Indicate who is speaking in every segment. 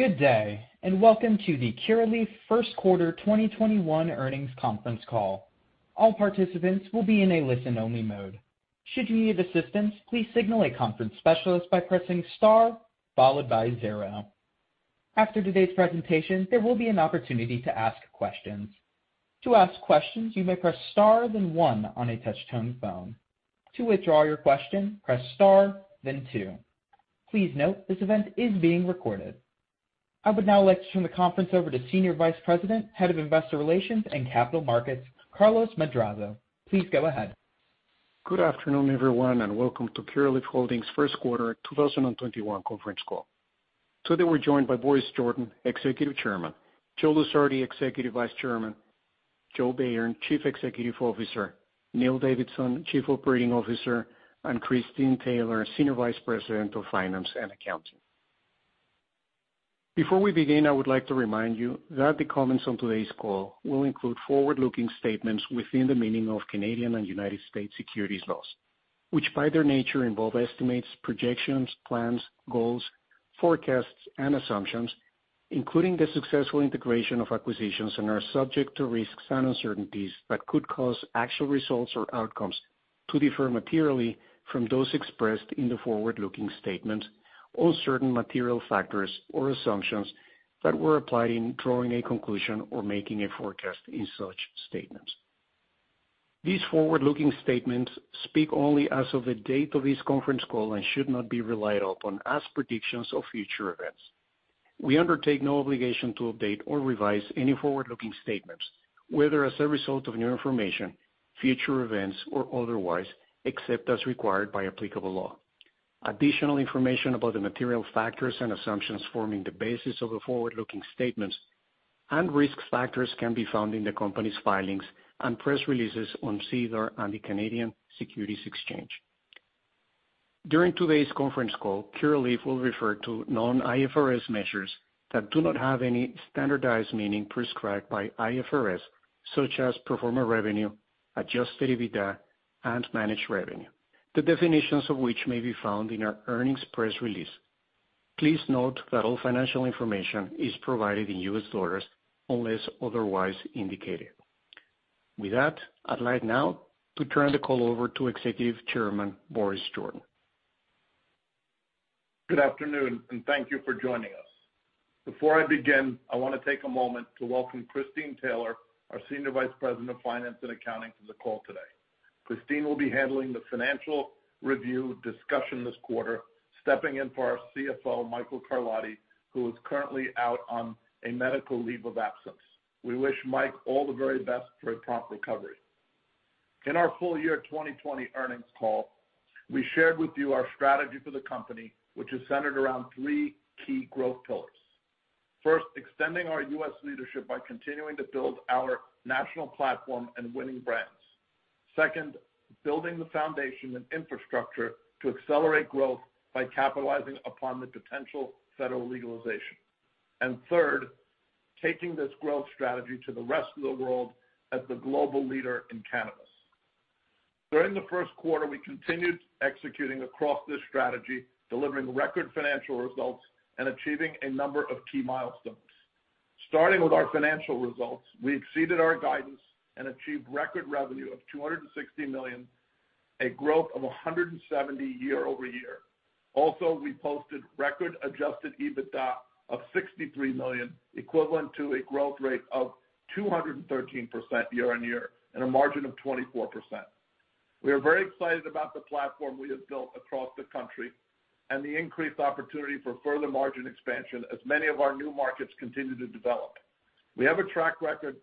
Speaker 1: Good day. Welcome to the Curaleaf first quarter 2021 earnings conference call. All participants will be in a listen only mode. Should you need assistance, please signal a conference specialist by pressing star followed by zero. After today's presentation, there will be an opportunity to ask questions. To ask questions, you may press star, then one on a touch-tone phone. To withdraw your question, press star, then two. Please note, this event is being recorded. I would now like to turn the conference over to Senior Vice President, Head of Investor Relations and Capital Markets, Carlos Madrazo. Please go ahead.
Speaker 2: Good afternoon, everyone, and welcome to Curaleaf Holdings first quarter 2021 conference call. Today we're joined by Boris Jordan, Executive Chairman, Joseph Lusardi, Executive Vice-Chairman, Joseph Bayern, Chief Executive Officer, Neil Davidson, Chief Operating Officer, and Christine Taylor, Senior Vice President of Finance and Accounting. Before we begin, I would like to remind you that the comments on today's call will include forward-looking statements within the meaning of Canadian and United States securities laws, which by their nature involve estimates, projections, plans, goals, forecasts, and assumptions, including the successful integration of acquisitions and are subject to risks and uncertainties that could cause actual results or outcomes to differ materially from those expressed in the forward-looking statements on certain material factors or assumptions that were applied in drawing a conclusion or making a forecast in such statements. These forward-looking statements speak only as of the date of this conference call and should not be relied upon as predictions of future events. We undertake no obligation to update or revise any forward-looking statements, whether as a result of new information, future events, or otherwise, except as required by applicable law. Additional information about the material factors and assumptions forming the basis of the forward-looking statements and risk factors can be found in the company's filings and press releases on SEDAR and the Canadian Securities Exchange. During today's conference call, Curaleaf will refer to non-IFRS measures that do not have any standardized meaning prescribed by IFRS, such as pro forma revenue, adjusted EBITDA, and managed revenue, the definitions of which may be found in our earnings press release. Please note that all financial information is provided in U.S. dollars unless otherwise indicated. With that, I'd like now to turn the call over to Executive Chairman, Boris Jordan.
Speaker 3: Good afternoon, thank you for joining us. Before I begin, I want to take a moment to welcome Christine Taylor, our Senior Vice President of Finance and Accounting, to the call today. Christine will be handling the financial review discussion this quarter, stepping in for our CFO, Michael Carlotti, who is currently out on a medical leave of absence. We wish Mike all the very best for a prompt recovery. In our full year 2020 earnings call, we shared with you our strategy for the company, which is centered around three key growth pillars. First, extending our U.S. leadership by continuing to build our national platform and winning brands. Second, building the foundation and infrastructure to accelerate growth by capitalizing upon the potential federal legalization. Third, taking this growth strategy to the rest of the world as the global leader in cannabis. During the first quarter, we continued executing across this strategy, delivering record financial results and achieving a number of key milestones. Starting with our financial results, we exceeded our guidance and achieved record revenue of $260 million, a growth of 170% year-over-year. Also, we posted record adjusted EBITDA of $63 million, equivalent to a growth rate of 213% year-over-year and a margin of 24%. We are very excited about the platform we have built across the country and the increased opportunity for further margin expansion as many of our new markets continue to develop. We have a track record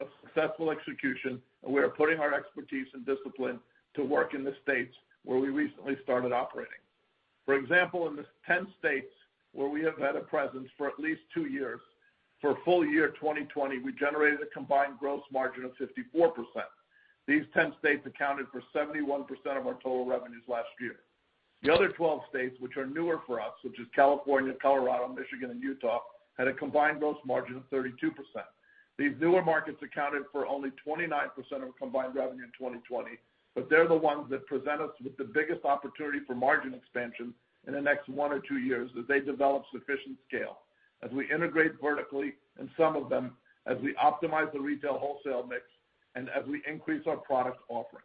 Speaker 3: of successful execution, and we are putting our expertise and discipline to work in the states where we recently started operating. For example, in the 10 states where we have had a presence for at least two years, for full year 2020, we generated a combined gross margin of 54%. These 10 states accounted for 71% of our total revenues last year. The other 12 states, which are newer for us, which is California, Colorado, Michigan, and Utah, had a combined gross margin of 32%. These newer markets accounted for only 29% of combined revenue in 2020. They're the ones that present us with the biggest opportunity for margin expansion in the next one or two years as they develop sufficient scale as we integrate vertically in some of them, as we optimize the retail wholesale mix, and as we increase our product offerings.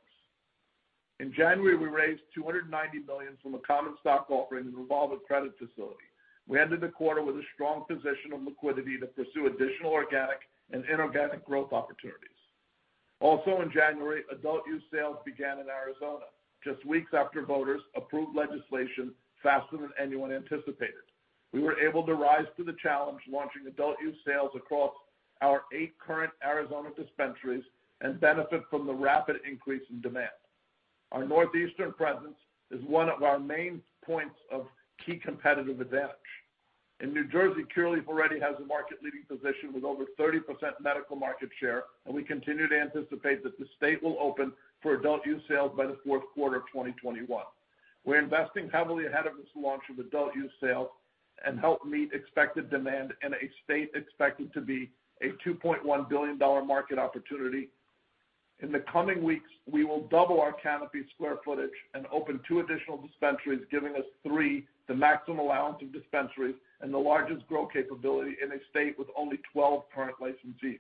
Speaker 3: In January, we raised $290 million from a common stock offering to involve a credit facility. We ended the quarter with a strong position of liquidity to pursue additional organic and inorganic growth opportunities. Also in January, adult use sales began in Arizona, just weeks after voters approved legislation faster than anyone anticipated. We were able to rise to the challenge, launching adult use sales across our eight current Arizona dispensaries and benefit from the rapid increase in demand. Our Northeastern presence is one of our main points of key competitive advantage. In New Jersey, Curaleaf already has a market leading position with over 30% medical market share. We continue to anticipate that the state will open for adult use sales by the fourth quarter of 2021. We're investing heavily ahead of this launch of adult use sales and help meet expected demand in a state expected to be a $2.1 billion market opportunity. In the coming weeks, we will double our canopy square footage and open two additional dispensaries, giving us three, the maximum allowance of dispensaries and the largest grow capability in a state with only 12 current licensees.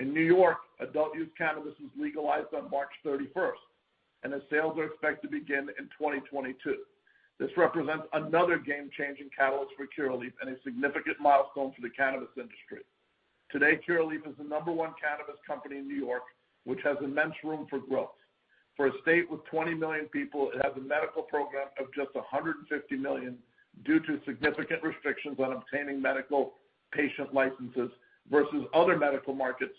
Speaker 3: In N.Y., adult use cannabis was legalized on March 31st, the sales are expected to begin in 2022. This represents another game-changing catalyst for Curaleaf and a significant milestone for the cannabis industry. Today, Curaleaf is the number one cannabis company in N.Y., which has immense room for growth. For a state with 20 million people, it has a medical program of just $150 million due to significant restrictions on obtaining medical patient licenses versus other medical markets,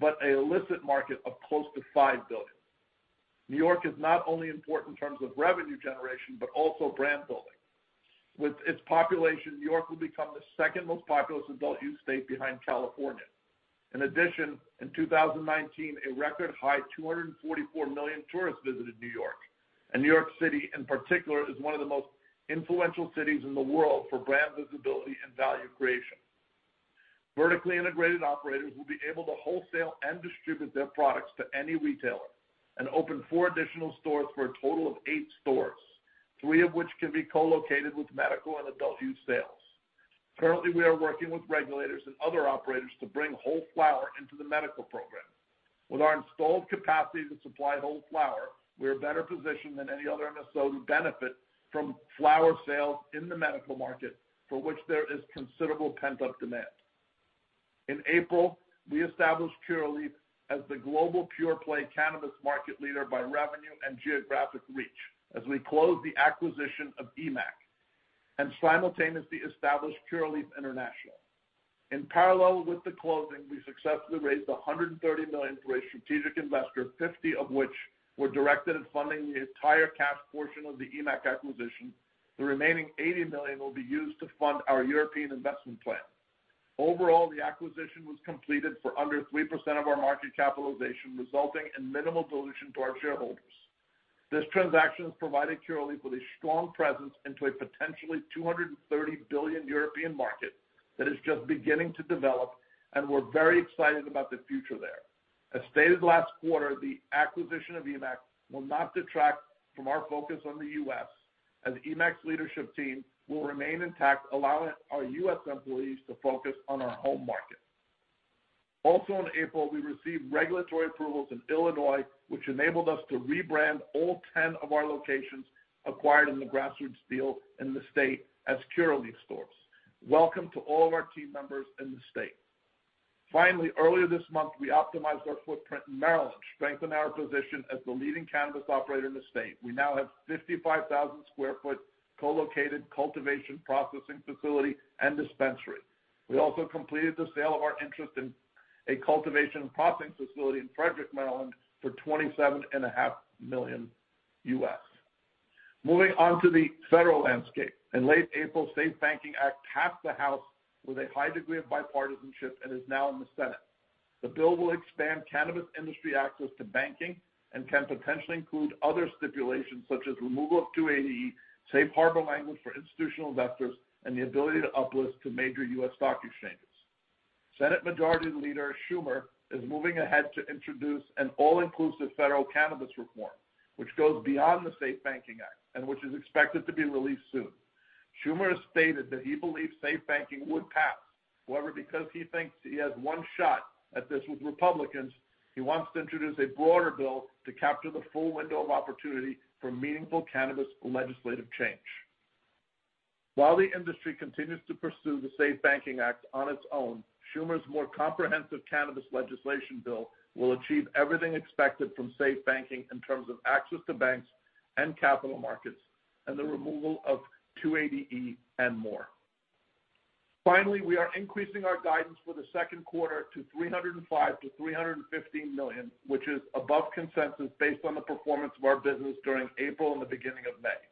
Speaker 3: but a illicit market of close to $5 billion. New York is not only important in terms of revenue generation, but also brand building. With its population, New York will become the second most populous adult use state behind California. In addition, in 2019, a record high 244 million tourists visited New York. New York City, in particular, is one of the most influential cities in the world for brand visibility and value creation. Vertically integrated operators will be able to wholesale and distribute their products to any retailer and open four additional stores for a total of eight stores, three of which can be co-located with medical and adult use sales. Currently, we are working with regulators and other operators to bring whole flower into the medical program. With our installed capacity to supply whole flower, we are better positioned than any other MSO to benefit from flower sales in the medical market, for which there is considerable pent-up demand. In April, we established Curaleaf as the global pure play cannabis market leader by revenue and geographic reach as we closed the acquisition of EMMAC and simultaneously established Curaleaf International. In parallel with the closing, we successfully raised $130 million through a strategic investor, $50 of which were directed at funding the entire cash portion of the EMMAC acquisition. The remaining $80 million will be used to fund our European investment plan. Overall, the acquisition was completed for under 3% of our market capitalization, resulting in minimal dilution to our shareholders. This transaction has provided Curaleaf with a strong presence into a potentially 230 billion European market that is just beginning to develop. We're very excited about the future there. As stated last quarter, the acquisition of EMMAC will not detract from our focus on the U.S., as EMMAC's leadership team will remain intact, allowing our U.S. employees to focus on our home market. Also in April, we received regulatory approvals in Illinois, which enabled us to rebrand all 10 of our locations acquired in the Grassroots deal in the state as Curaleaf stores. Welcome to all of our team members in the state. Finally, earlier this month, we optimized our footprint in Maryland to strengthen our position as the leading cannabis operator in the state. We now have 55,000 sq ft co-located cultivation, processing facility, and dispensary. We also completed the sale of our interest in a cultivation and processing facility in Frederick, Maryland for $27.5 million. Moving on to the federal landscape. In late April, SAFE Banking Act passed the House with a high degree of bipartisanship and is now in the Senate. The bill will expand cannabis industry access to banking and can potentially include other stipulations such as removal of 280E, safe harbor language for institutional investors, and the ability to uplist to major U.S. stock exchanges. Senate Majority Leader Schumer is moving ahead to introduce an all-inclusive federal cannabis reform, which goes beyond the SAFE Banking Act and which is expected to be released soon. Schumer has stated that he believes SAFE Banking would pass. However, because he thinks he has one shot at this with Republicans, he wants to introduce a broader bill to capture the full window of opportunity for meaningful cannabis legislative change. While the industry continues to pursue the SAFE Banking Act on its own, Schumer's more comprehensive cannabis legislation bill will achieve everything expected from SAFE Banking in terms of access to banks and capital markets, and the removal of 280E and more. Finally, we are increasing our guidance for the second quarter to $305 million-$315 million, which is above consensus based on the performance of our business during April and the beginning of May.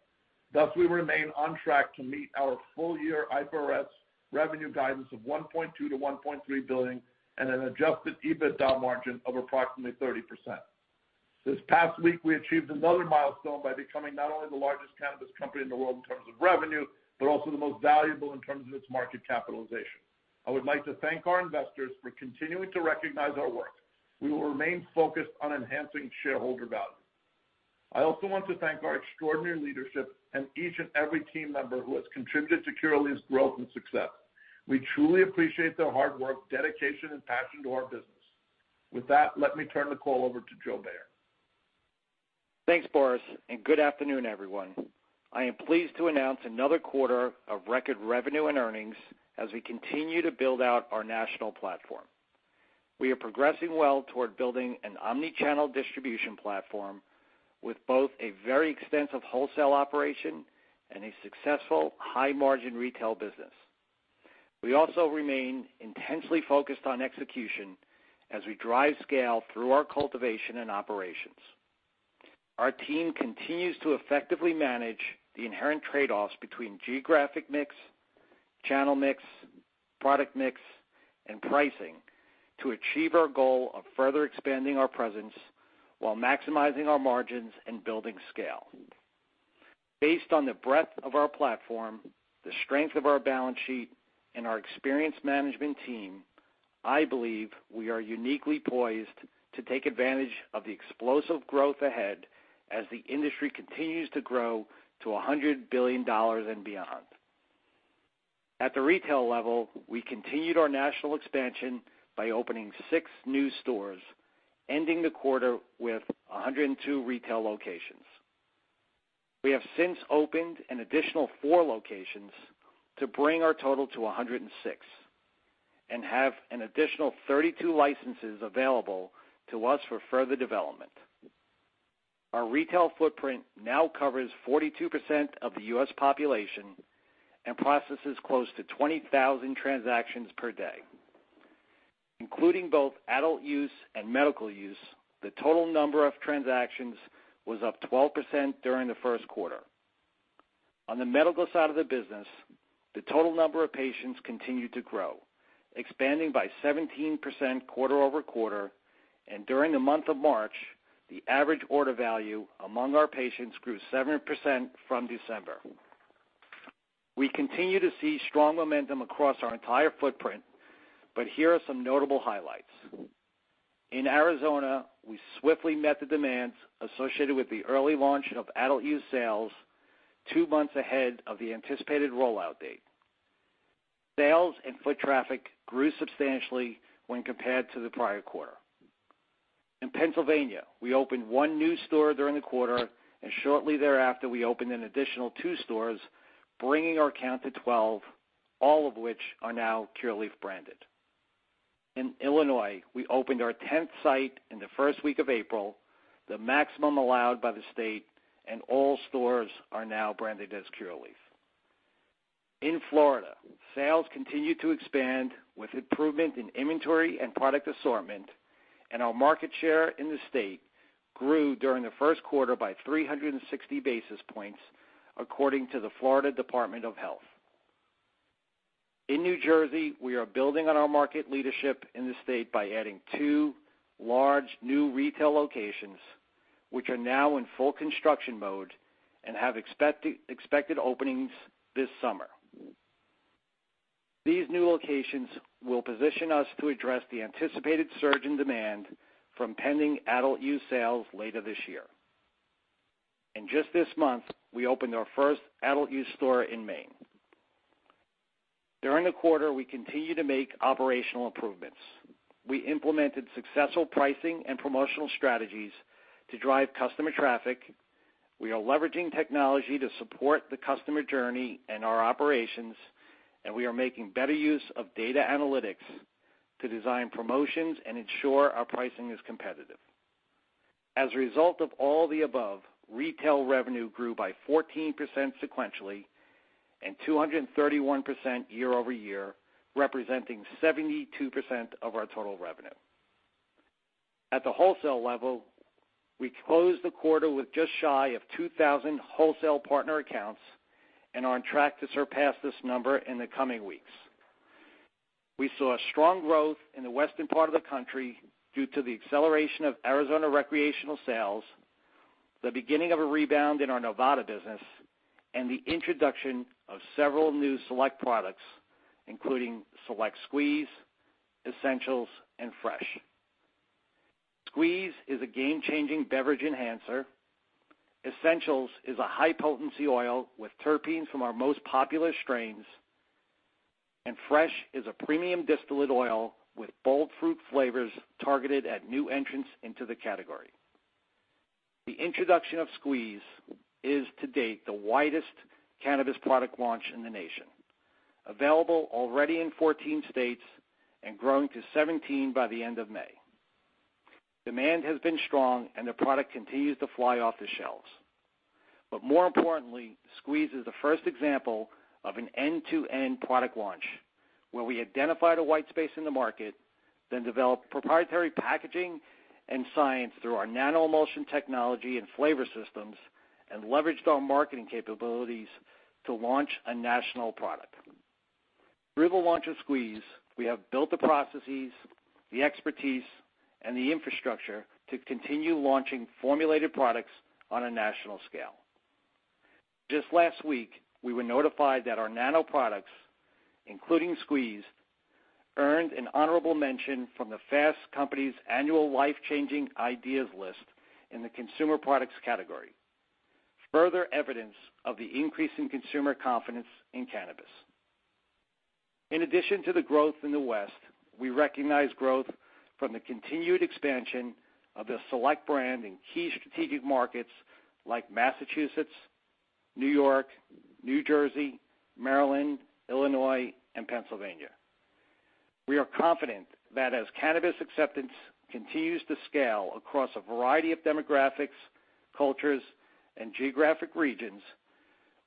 Speaker 3: Thus, we remain on track to meet our full year IFRS revenue guidance of $1.2 billion-$1.3 billion and an adjusted EBITDA margin of approximately 30%. This past week, we achieved another milestone by becoming not only the largest cannabis company in the world in terms of revenue, but also the most valuable in terms of its market capitalization. I would like to thank our investors for continuing to recognize our work. We will remain focused on enhancing shareholder value. I also want to thank our extraordinary leadership and each and every team member who has contributed to Curaleaf's growth and success. We truly appreciate their hard work, dedication, and passion to our business. With that, let me turn the call over to Joe Bayern.
Speaker 4: Thanks, Boris, and good afternoon, everyone. I am pleased to announce another quarter of record revenue and earnings as we continue to build out our national platform. We are progressing well toward building an omni-channel distribution platform with both a very extensive wholesale operation and a successful high-margin retail business. We also remain intensely focused on execution as we drive scale through our cultivation and operations. Our team continues to effectively manage the inherent trade-offs between geographic mix, channel mix, product mix, and pricing to achieve our goal of further expanding our presence while maximizing our margins and building scale. Based on the breadth of our platform, the strength of our balance sheet, and our experienced management team, I believe we are uniquely poised to take advantage of the explosive growth ahead as the industry continues to grow to $100 billion and beyond. At the retail level, we continued our national expansion by opening six new stores, ending the quarter with 102 retail locations. We have since opened an additional four locations to bring our total to 106, and have an additional 32 licenses available to us for further development. Our retail footprint now covers 42% of the U.S. population and processes close to 20,000 transactions per day. Including both adult use and medical use, the total number of transactions was up 12% during the first quarter. On the medical side of the business, the total number of patients continued to grow, expanding by 17% quarter-over-quarter, and during the month of March, the average order value among our patients grew 7% from December. Here are some notable highlights. In Arizona, we swiftly met the demands associated with the early launch of adult use sales, two months ahead of the anticipated rollout date. Sales and foot traffic grew substantially when compared to the prior quarter. In Pennsylvania, we opened one new store during the quarter, and shortly thereafter, we opened an additional two stores, bringing our count to 12, all of which are now Curaleaf branded. In Illinois, we opened our 10th site in the first week of April, the maximum allowed by the state, and all stores are now branded as Curaleaf. In Florida, sales continued to expand with improvement in inventory and product assortment, and our market share in the state grew during the first quarter by 360 basis points, according to the Florida Department of Health. In New Jersey, we are building on our market leadership in the state by adding two large new retail locations, which are now in full construction mode and have expected openings this summer. These new locations will position us to address the anticipated surge in demand from pending adult use sales later this year. Just this month, we opened our first adult use store in Maine. During the quarter, we continued to make operational improvements. We implemented successful pricing and promotional strategies to drive customer traffic. We are leveraging technology to support the customer journey and our operations, and we are making better use of data analytics to design promotions and ensure our pricing is competitive. As a result of all the above, retail revenue grew by 14% sequentially and 231% year-over-year, representing 72% of our total revenue. At the wholesale level, we closed the quarter with just shy of 2,000 wholesale partner accounts and are on track to surpass this number in the coming weeks. We saw strong growth in the western part of the country due to the acceleration of Arizona recreational sales, the beginning of a rebound in our Nevada business, and the introduction of several new Select products, including Select Squeeze, Essentials, and Fresh. Squeeze is a game-changing beverage enhancer, Essentials is a high-potency oil with terpenes from our most popular strains, and Fresh is a premium distillate oil with bold fruit flavors targeted at new entrants into the category. The introduction of Squeeze is to date the widest cannabis product launch in the nation, available already in 14 states and growing to 17 by the end of May. Demand has been strong and the product continues to fly off the shelves. More importantly, Squeeze is the first example of an end-to-end product launch, where we identified a white space in the market, then developed proprietary packaging and science through our nano-emulsion technology and flavor systems, and leveraged our marketing capabilities to launch a national product. Through the launch of Squeeze, we have built the processes, the expertise, and the infrastructure to continue launching formulated products on a national scale. Just last week, we were notified that our nano products, including Squeeze, earned an honorable mention from Fast Company's annual Life-Changing Ideas list in the Consumer Products category, further evidence of the increase in consumer confidence in cannabis. In addition to the growth in the West, we recognize growth from the continued expansion of the Select brand in key strategic markets like Massachusetts, New York, New Jersey, Maryland, Illinois, and Pennsylvania. We are confident that as cannabis acceptance continues to scale across a variety of demographics, cultures, and geographic regions,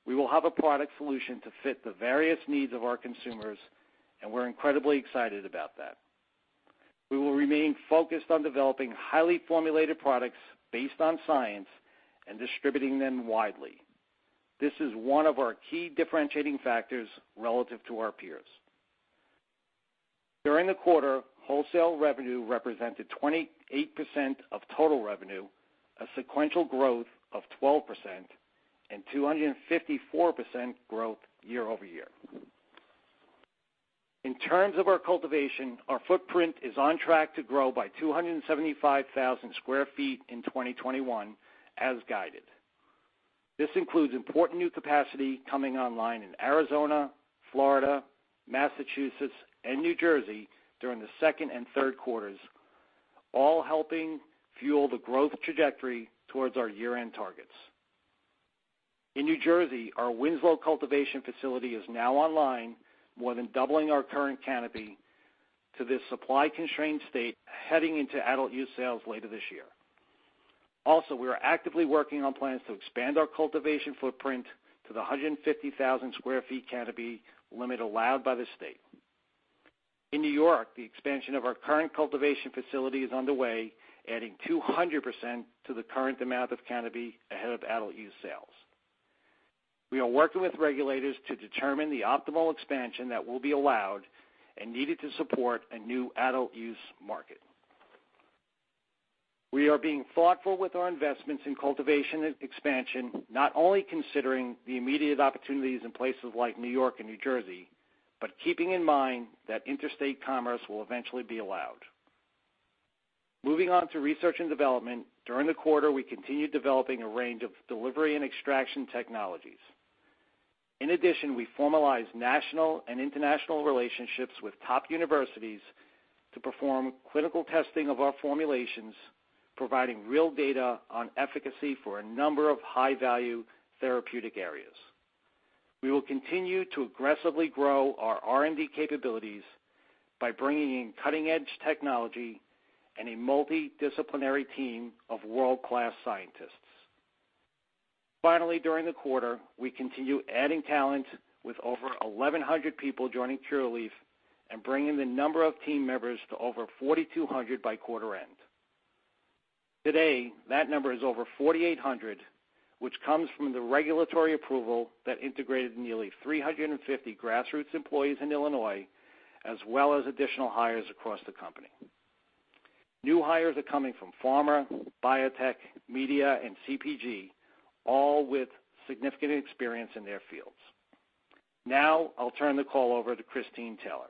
Speaker 4: we will have a product solution to fit the various needs of our consumers, and we're incredibly excited about that. We will remain focused on developing highly formulated products based on science and distributing them widely. This is one of our key differentiating factors relative to our peers. During the quarter, wholesale revenue represented 28% of total revenue, a sequential growth of 12%, and 254% growth year-over-year. In terms of our cultivation, our footprint is on track to grow by 275,000 sq ft in 2021 as guided. This includes important new capacity coming online in Arizona, Florida, Massachusetts, and New Jersey during the second and third quarters, all helping fuel the growth trajectory towards our year-end targets. In New Jersey, our Winslow cultivation facility is now online, more than doubling our current canopy to this supply-constrained state heading into adult use sales later this year. Also, we are actively working on plans to expand our cultivation footprint to the 150,000 sq ft canopy limit allowed by the state. In New York, the expansion of our current cultivation facility is underway, adding 200% to the current amount of canopy ahead of adult use sales. We are working with regulators to determine the optimal expansion that will be allowed and needed to support a new adult use market. We are being thoughtful with our investments in cultivation expansion, not only considering the immediate opportunities in places like New York and New Jersey, but keeping in mind that interstate commerce will eventually be allowed. Moving on to research and development. During the quarter, we continued developing a range of delivery and extraction technologies. In addition, we formalized national and international relationships with top universities to perform clinical testing of our formulations, providing real data on efficacy for a number of high-value therapeutic areas. We will continue to aggressively grow our R&D capabilities by bringing in cutting-edge technology and a multidisciplinary team of world-class scientists. Finally, during the quarter, we continue adding talent with over 1,100 people joining Curaleaf and bringing the number of team members to over 4,200 by quarter end. Today, that number is over 4,800, which comes from the regulatory approval that integrated nearly 350 Grassroots employees in Illinois, as well as additional hires across the company. New hires are coming from pharma, biotech, media, and CPG, all with significant experience in their fields. Now, I'll turn the call over to Christine Taylor.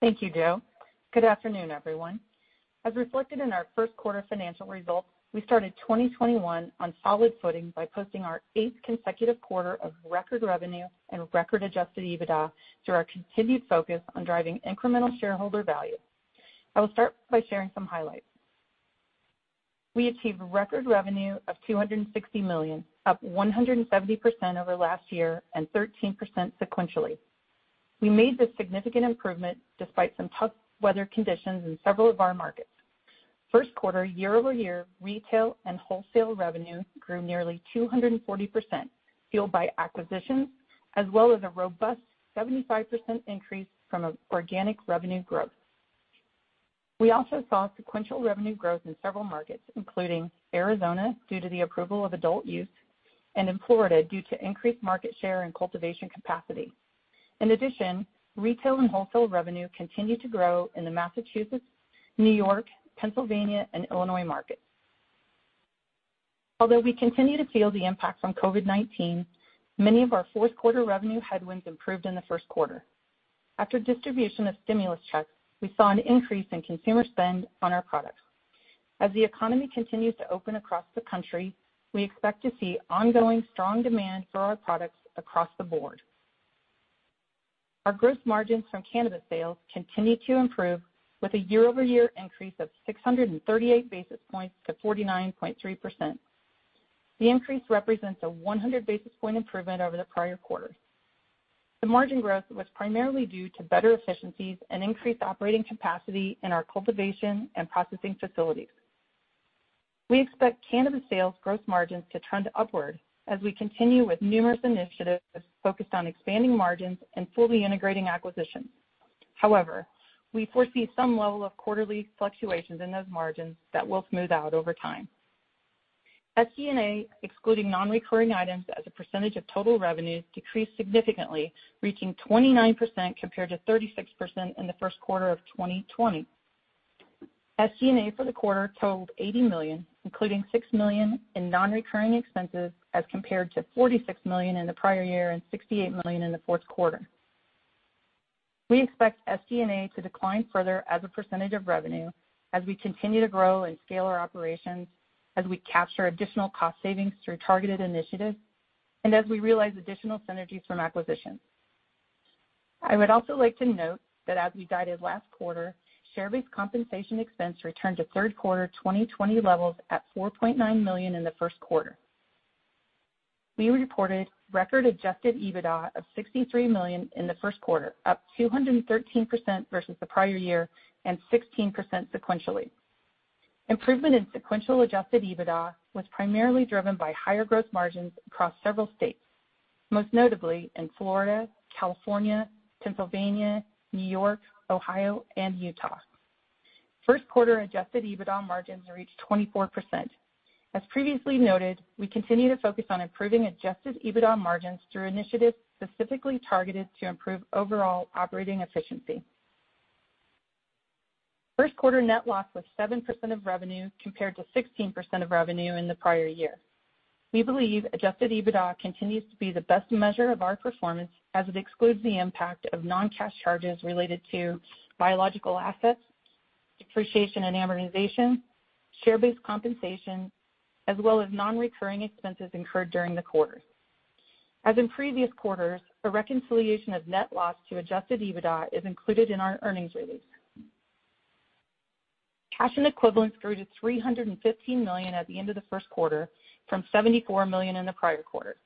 Speaker 5: Thank you, Joe. Good afternoon, everyone. As reflected in our first quarter financial results, we started 2021 on solid footing by posting our eighth consecutive quarter of record revenue and record adjusted EBITDA through our continued focus on driving incremental shareholder value. I will start by sharing some highlights. We achieved record revenue of $260 million, up 170% over last year and 13% sequentially. We made this significant improvement despite some tough weather conditions in several of our markets. First quarter year-over-year retail and wholesale revenue grew nearly 240%, fueled by acquisitions, as well as a robust 75% increase from an organic revenue growth. We also saw sequential revenue growth in several markets, including Arizona, due to the approval of adult use, and in Florida, due to increased market share and cultivation capacity. Retail and wholesale revenue continued to grow in the Massachusetts, New York, Pennsylvania, and Illinois markets. We continue to feel the impacts from COVID-19, many of our fourth quarter revenue headwinds improved in the first quarter. After distribution of stimulus checks, we saw an increase in consumer spend on our products. The economy continues to open across the country, we expect to see ongoing strong demand for our products across the board. Our gross margins from cannabis sales continue to improve with a year-over-year increase of 638 basis points to 49.3%. The increase represents a 100-basis point improvement over the prior quarter. The margin growth was primarily due to better efficiencies and increased operating capacity in our cultivation and processing facilities. We expect cannabis sales gross margins to trend upward we continue with numerous initiatives focused on expanding margins and fully integrating acquisitions. However, we foresee some level of quarterly fluctuations in those margins that will smooth out over time. SG&A, excluding non-recurring items as a percentage of total revenue, decreased significantly, reaching 29% compared to 36% in the first quarter of 2020. SG&A for the quarter totaled $80 million, including $6 million in non-recurring expenses as compared to $46 million in the prior year and $68 million in the fourth quarter. We expect SG&A to decline further as a percentage of revenue as we continue to grow and scale our operations, as we capture additional cost savings through targeted initiatives, and as we realize additional synergies from acquisitions. I would also like to note that as we guided last quarter, share-based compensation expense returned to third quarter 2020 levels at $4.9 million in the first quarter. We reported record adjusted EBITDA of $63 million in the first quarter, up 213% versus the prior year and 16% sequentially. Improvement in sequential adjusted EBITDA was primarily driven by higher growth margins across several states, most notably in Florida, California, Pennsylvania, New York, Ohio, and Utah. First quarter adjusted EBITDA margins reached 24%. As previously noted, we continue to focus on improving adjusted EBITDA margins through initiatives specifically targeted to improve overall operating efficiency. First quarter net loss was 7% of revenue, compared to 16% of revenue in the prior year. We believe adjusted EBITDA continues to be the best measure of our performance, as it excludes the impact of non-cash charges related to biological assets, depreciation and amortization, share-based compensation, as well as non-recurring expenses incurred during the quarter. As in previous quarters, a reconciliation of net loss to adjusted EBITDA is included in our earnings release. Cash and equivalents grew to $315 million at the end of the first quarter from $74 million in the prior quarter.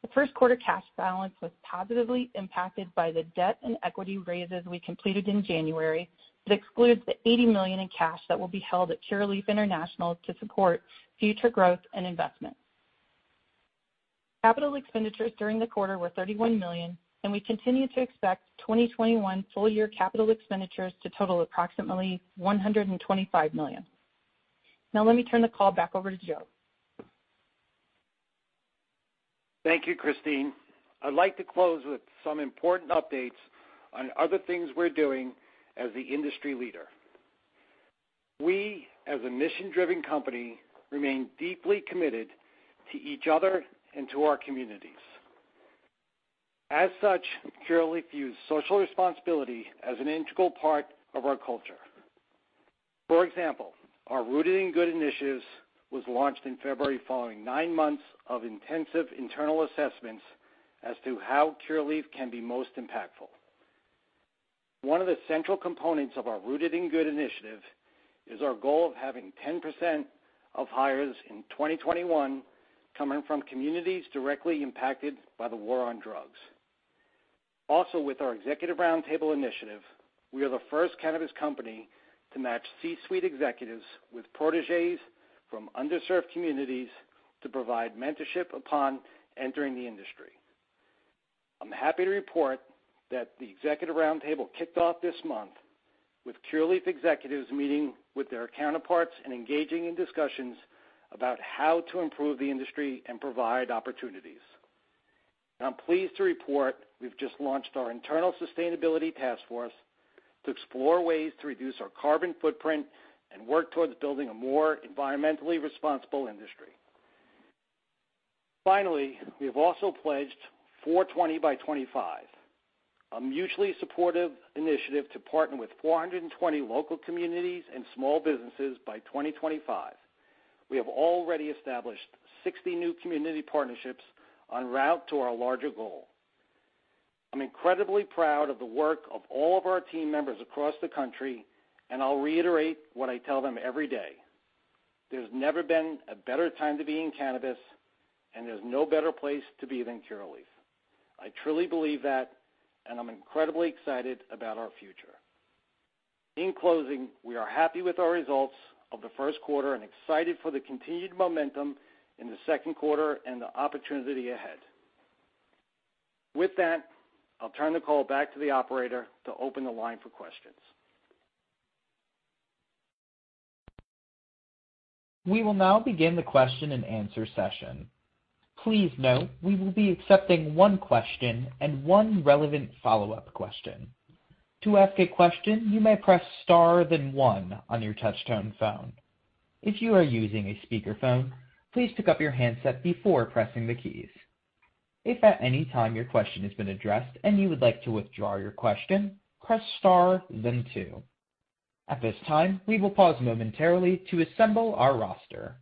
Speaker 5: The first quarter cash balance was positively impacted by the debt and equity raises we completed in January. It excludes the $80 million in cash that will be held at Curaleaf International to support future growth and investment. Capital expenditures during the quarter were $31 million, and we continue to expect 2021 full-year capital expenditures to total approximately $125 million. Let me turn the call back over to Joe.
Speaker 4: Thank you, Christine. I'd like to close with some important updates on other things we're doing as the industry leader. We, as a mission-driven company, remain deeply committed to each other and to our communities. As such, Curaleaf views social responsibility as an integral part of our culture. For example, our Rooted in Good initiatives was launched in February following nine months of intensive internal assessments as to how Curaleaf can be most impactful. One of the central components of our Rooted in Good initiative is our goal of having 10% of hires in 2021 coming from communities directly impacted by the War on Drugs. Also, with our Executive Roundtable initiative, we are the first cannabis company to match C-suite executives with protégés from underserved communities to provide mentorship upon entering the industry. I'm happy to report that the Executive Roundtable kicked off this month with Curaleaf executives meeting with their counterparts and engaging in discussions about how to improve the industry and provide opportunities. I'm pleased to report we've just launched our internal sustainability task force to explore ways to reduce our carbon footprint and work towards building a more environmentally responsible industry. Finally, we have also pledged 420 by 2025, a mutually supportive initiative to partner with 420 local communities and small businesses by 2025. We have already established 60 new community partnerships on route to our larger goal. I'm incredibly proud of the work of all of our team members across the country, and I'll reiterate what I tell them every day. There's never been a better time to be in cannabis, and there's no better place to be than Curaleaf. I truly believe that, and I'm incredibly excited about our future. In closing, we are happy with our results of the first quarter and excited for the continued momentum in the second quarter and the opportunity ahead. With that, I'll turn the call back to the operator to open the line for questions.
Speaker 1: We will now begin the question and answer session. Please note we will be accepting one question and one relevant follow-up question. To ask a question, you may press star then one on your touchtone phone. If you are using a speakerphone, please pick up your handset before pressing the keys. If at any time your question has been addressed and you would like to withdraw your question, press star then two. At this time, we will pause momentarily to assemble our roster.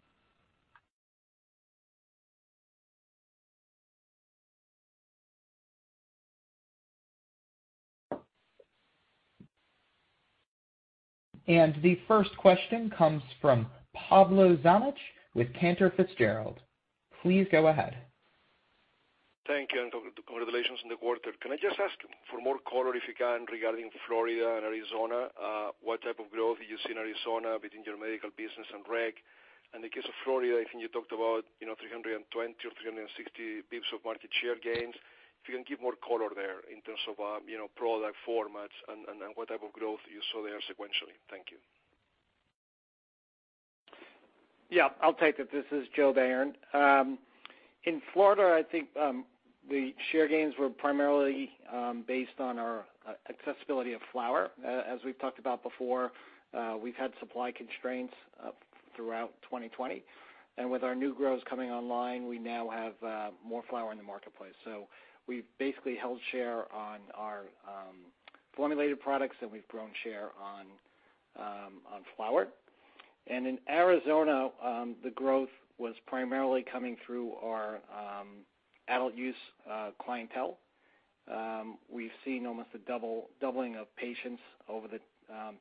Speaker 1: The first question comes from Pablo Zuanic with Cantor Fitzgerald. Please go ahead.
Speaker 6: Thank you. Congratulations on the quarter. Can I just ask for more color, if you can, regarding Florida and Arizona? What type of growth you see in Arizona between your medical business and rec? In the case of Florida, I think you talked about 320 or 360 basis points of market share gains. If you can give more color there in terms of product formats and what type of growth you saw there sequentially. Thank you.
Speaker 4: Yeah, I'll take it. This is Joseph Bayern. In Florida, I think the share gains were primarily based on our accessibility of flower. As we've talked about before, we've had supply constraints throughout 2020, and with our new grows coming online, we now have more flower in the marketplace. We've basically held share on our formulated products, and we've grown share on flower. In Arizona, the growth was primarily coming through our adult use clientele. We've seen almost a doubling of patients over the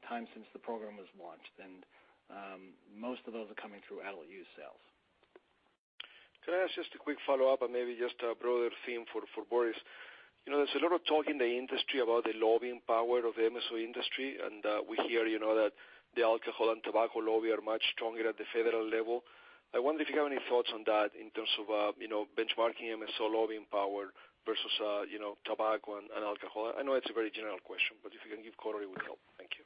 Speaker 4: time since the program was launched, and most of those are coming through adult use sales.
Speaker 6: Can I ask just a quick follow-up and maybe just a broader theme for Boris? There's a lot of talk in the industry about the lobbying power of the MSO industry, and we hear that the alcohol and tobacco lobby are much stronger at the federal level. I wonder if you have any thoughts on that in terms of benchmarking MSO lobbying power versus tobacco and alcohol. I know it's a very general question, but if you can give color, it would help. Thank you.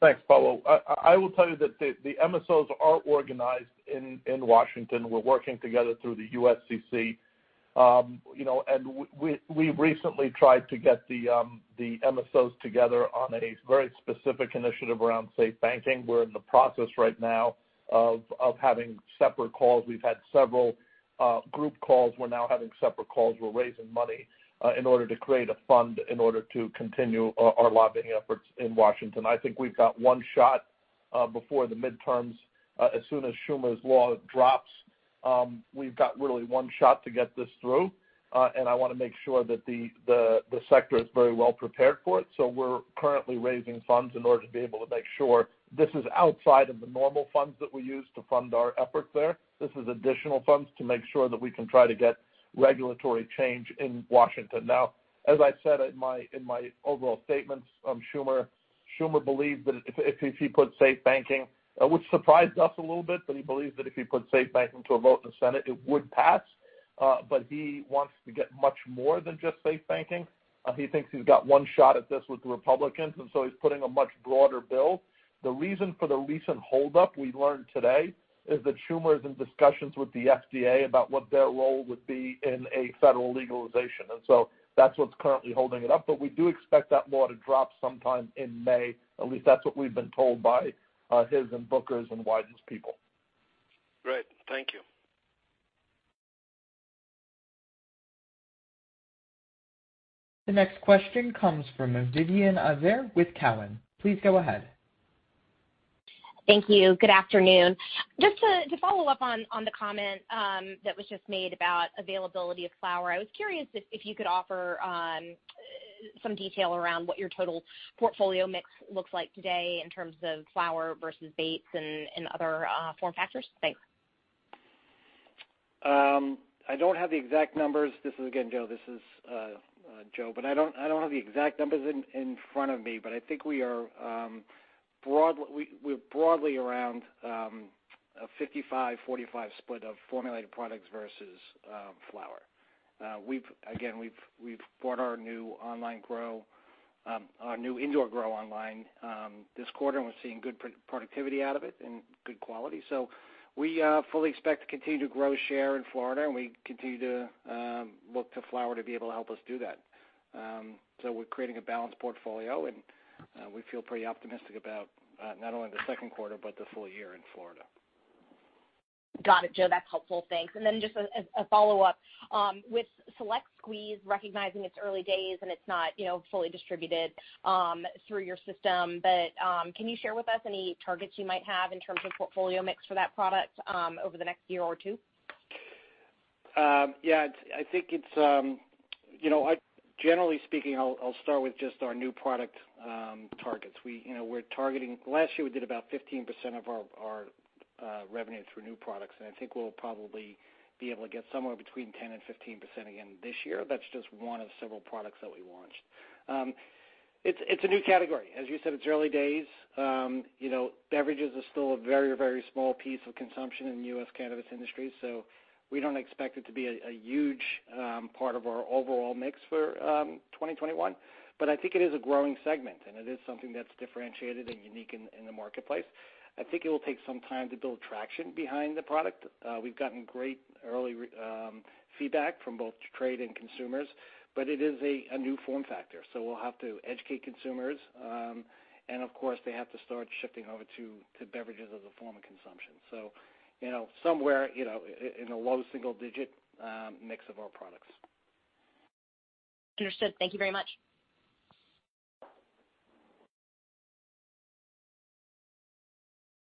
Speaker 3: Thanks, Pablo. I will tell you that the MSOs are organized in Washington. We're working together through the USCC. We recently tried to get the MSOs together on a very specific initiative around SAFE Banking. We're in the process right now of having separate calls. We've had several group calls. We're now having separate calls. We're raising money in order to create a fund in order to continue our lobbying efforts in Washington. I think we've got one shot before the midterms. As soon as Schumer's law drops, we've got really one shot to get this through. I want to make sure that the sector is very well prepared for it. We're currently raising funds in order to be able to make sure this is outside of the normal funds that we use to fund our efforts there. This is additional funds to make sure that we can try to get regulatory change in Washington. As I said in my overall statements, Schumer believed that if he put SAFE Banking, which surprised us a little bit, but he believes that if he put SAFE Banking to a vote in the Senate, it would pass. He wants to get much more than just SAFE Banking. He thinks he's got one shot at this with the Republicans, he's putting a much broader bill. The reason for the recent holdup, we learned today, is that Schumer is in discussions with the FDA about what their role would be in a federal legalization. That's what's currently holding it up. We do expect that law to drop sometime in May. At least that's what we've been told by his and Booker's and Wyden's people.
Speaker 6: Great. Thank you.
Speaker 1: The next question comes from Vivien Azer with Cowen. Please go ahead.
Speaker 7: Thank you. Good afternoon. Just to follow up on the comment that was just made about availability of flower, I was curious if you could offer some detail around what your total portfolio mix looks like today in terms of flower versus vapes and other form factors? Thanks.
Speaker 4: I don't have the exact numbers. This is Joe. I don't have the exact numbers in front of me, but I think we're broadly around a 55-45 split of formulated products versus flower. Again, we've brought our new indoor grow online this quarter, and we're seeing good productivity out of it and good quality. We fully expect to continue to grow share in Florida, and we continue to look to flower to be able to help us do that. We're creating a balanced portfolio, and we feel pretty optimistic about not only the second quarter, but the full year in Florida.
Speaker 7: Got it, Joe. That's helpful. Thanks. Just a follow-up. With Select Squeeze, recognizing it's early days and it's not fully distributed through your system, but can you share with us any targets you might have in terms of portfolio mix for that product over the next year or two?
Speaker 4: Yeah. Generally speaking, I'll start with just our new product targets. Last year, we did about 15% of our revenue through new products, and I think we'll probably be able to get somewhere between 10% and 15% again this year. That's just one of several products that we launched. It's a new category. As you said, it's early days. Beverages are still a very small piece of consumption in the U.S. cannabis industry, so we don't expect it to be a huge part of our overall mix for 2021. I think it is a growing segment, and it is something that's differentiated and unique in the marketplace. I think it will take some time to build traction behind the product. We've gotten great early feedback from both trade and consumers, but it is a new form factor, so we'll have to educate consumers. Of course, they have to start shifting over to beverages as a form of consumption. Somewhere in the low single-digit mix of our products.
Speaker 7: Understood. Thank you very much.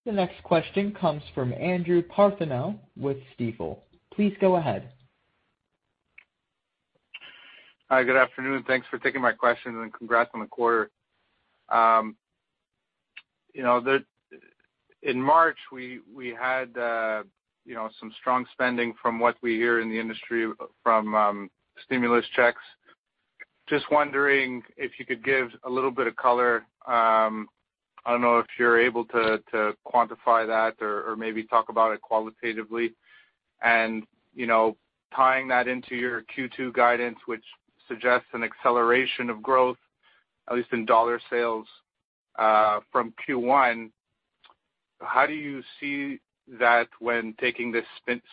Speaker 1: The next question comes from Andrew Partheniou with Stifel. Please go ahead.
Speaker 8: Hi, good afternoon. Thanks for taking my questions and congrats on the quarter. In March, we had some strong spending from what we hear in the industry from stimulus checks. Just wondering if you could give a little bit of color. I don't know if you're able to quantify that or maybe talk about it qualitatively. Tying that into your Q2 guidance, which suggests an acceleration of growth, at least in dollar sales from Q1, how do you see that when taking this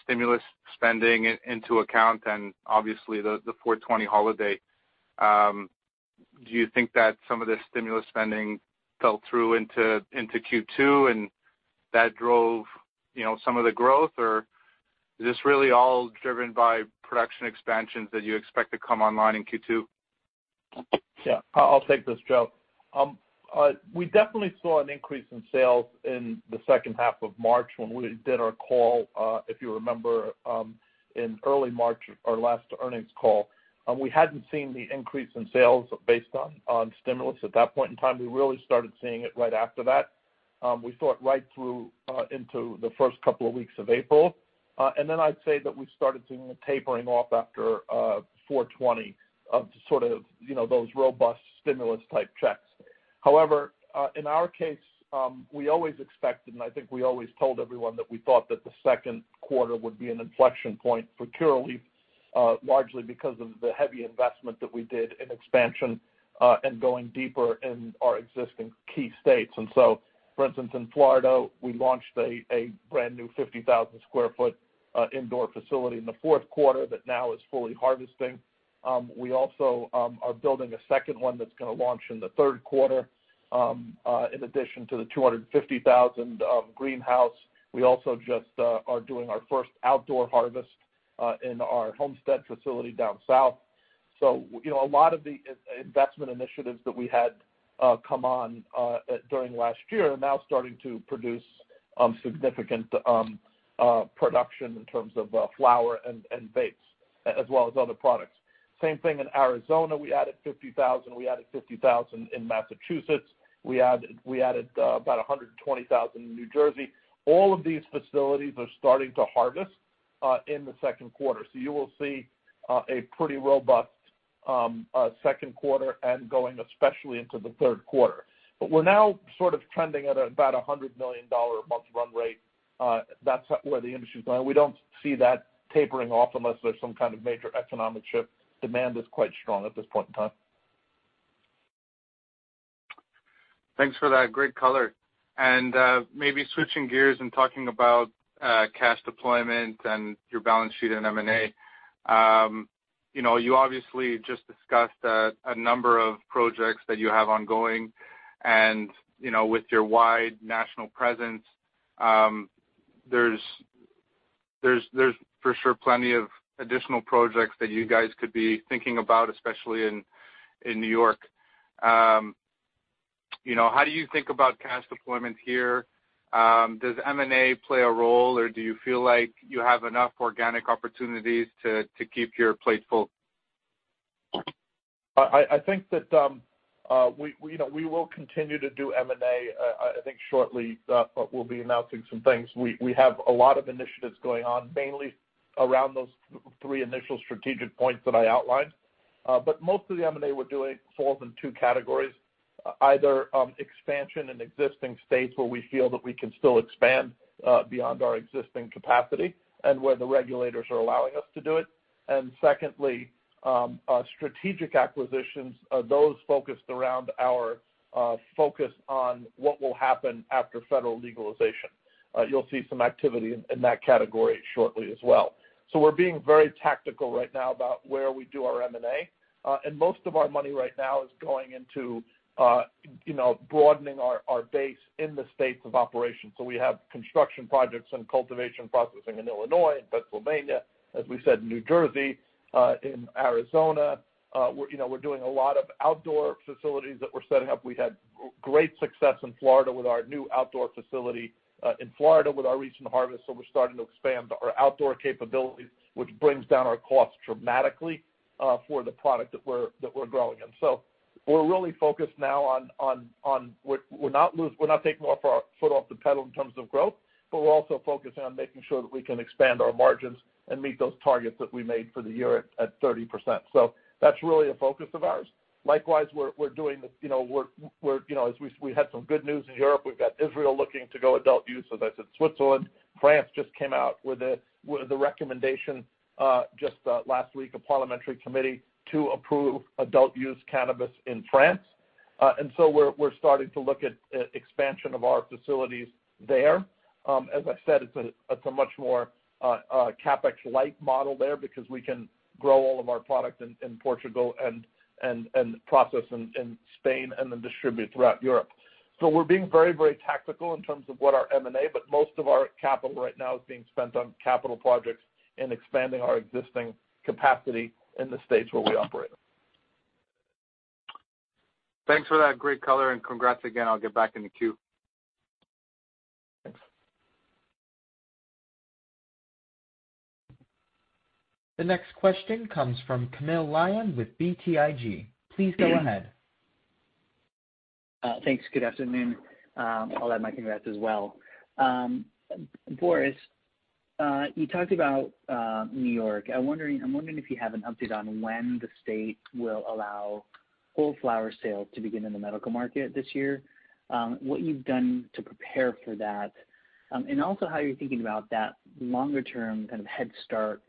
Speaker 8: stimulus spending into account and obviously the 4/20 holiday? Do you think that some of the stimulus spending fell through into Q2 and that drove some of the growth, or is this really all driven by production expansions that you expect to come online in Q2?
Speaker 3: Yeah. I'll take this, Joe. We definitely saw an increase in sales in the second half of March when we did our call, if you remember, in early March, our last earnings call. We hadn't seen the increase in sales based on stimulus at that point in time. We really started seeing it right after that. We saw it right through into the first couple of weeks of April. Then I'd say that we started seeing a tapering off after 4/20 of those robust stimulus-type checks. However, in our case, we always expected, and I think we always told everyone that we thought that the second quarter would be an inflection point for Curaleaf, largely because of the heavy investment that we did in expansion and going deeper in our existing key states. For instance, in Florida, we launched a brand new 50,000 square foot indoor facility in the fourth quarter that now is fully harvesting. We also are building a second one that's going to launch in the third quarter, in addition to the 250,000 greenhouse. We also just are doing our first outdoor harvest in our homestead facility down south. A lot of the investment initiatives that we had come on during last year are now starting to produce significant production in terms of flower and vapes, as well as other products. Same thing in Arizona, we added 50,000. We added 50,000 in Massachusetts. We added about 120,000 in New Jersey. All of these facilities are starting to harvest in the second quarter. You will see a pretty robust second quarter and going especially into the third quarter. We're now sort of trending at about $100 million a month run rate. That's where the industry is going. We don't see that tapering off unless there's some kind of major economic shift. Demand is quite strong at this point in time.
Speaker 8: Thanks for that great color. Maybe switching gears and talking about cash deployment and your balance sheet and M&A. You obviously just discussed a number of projects that you have ongoing and, with your wide national presence, there's for sure plenty of additional projects that you guys could be thinking about, especially in New York. How do you think about cash deployment here? Does M&A play a role, or do you feel like you have enough organic opportunities to keep your plate full?
Speaker 3: I think that we will continue to do M&A. I think shortly, we'll be announcing some things. We have a lot of initiatives going on, mainly around those three initial strategic points that I outlined. Most of the M&A we're doing falls in two categories, either expansion in existing states where we feel that we can still expand beyond our existing capacity and where the regulators are allowing us to do it. Secondly, strategic acquisitions, those focused around our focus on what will happen after federal legalization. You'll see some activity in that category shortly as well. We're being very tactical right now about where we do our M&A. Most of our money right now is going into broadening our base in the states of operation. We have construction projects and cultivation processing in Illinois, in Pennsylvania, as we said, in New Jersey, in Arizona. We're doing a lot of outdoor facilities that we're setting up. We had great success in Florida with our new outdoor facility in Florida with our recent harvest, so we're starting to expand our outdoor capabilities, which brings down our costs dramatically for the product that we're growing in. We're really focused now on, we're not taking our foot off the pedal in terms of growth, but we're also focusing on making sure that we can expand our margins and meet those targets that we made for the year at 30%. That's really a focus of ours. Likewise, as we had some good news in Europe, we've got Israel looking to go adult use, as I said, Switzerland. France just came out with the recommendation, just last week, a parliamentary committee to approve adult use cannabis in France. We're starting to look at expansion of our facilities there. As I said, it's a much more CapEx-like model there because we can grow all of our product in Portugal and process in Spain and then distribute throughout Europe. We're being very tactical in terms of what our M&A, but most of our capital right now is being spent on capital projects and expanding our existing capacity in the states where we operate.
Speaker 8: Thanks for that great color and congrats again. I'll get back in the queue.
Speaker 3: Thanks.
Speaker 1: The next question comes from Camilo Lyon with BTIG. Please go ahead.
Speaker 9: Thanks. Good afternoon. I'll add my congrats as well. Boris, you talked about New York. I'm wondering if you have an update on when the state will allow full flower sales to begin in the medical market this year, what you've done to prepare for that, and also how you're thinking about that longer term kind of head start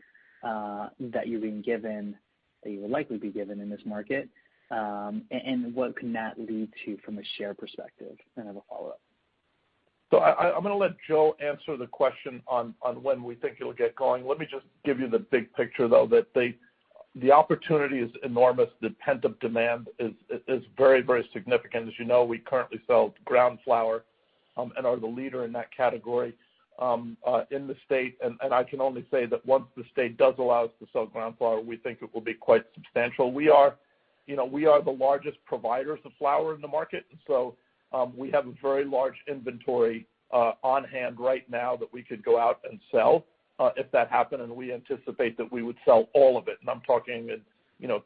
Speaker 9: that you're being given, that you will likely be given in this market, and what can that lead to from a share perspective? I have a follow-up.
Speaker 3: I'm going to let Joe answer the question on when we think it'll get going. Let me just give you the big picture, though, that the opportunity is enormous. The pent-up demand is very significant. As you know, we currently sell ground flower and are the leader in that category in the state. I can only say that once the state does allow us to sell ground flower, we think it will be quite substantial. We are the largest providers of flower in the market. We have a very large inventory on hand right now that we could go out and sell if that happened. We anticipate that we would sell all of it. I'm talking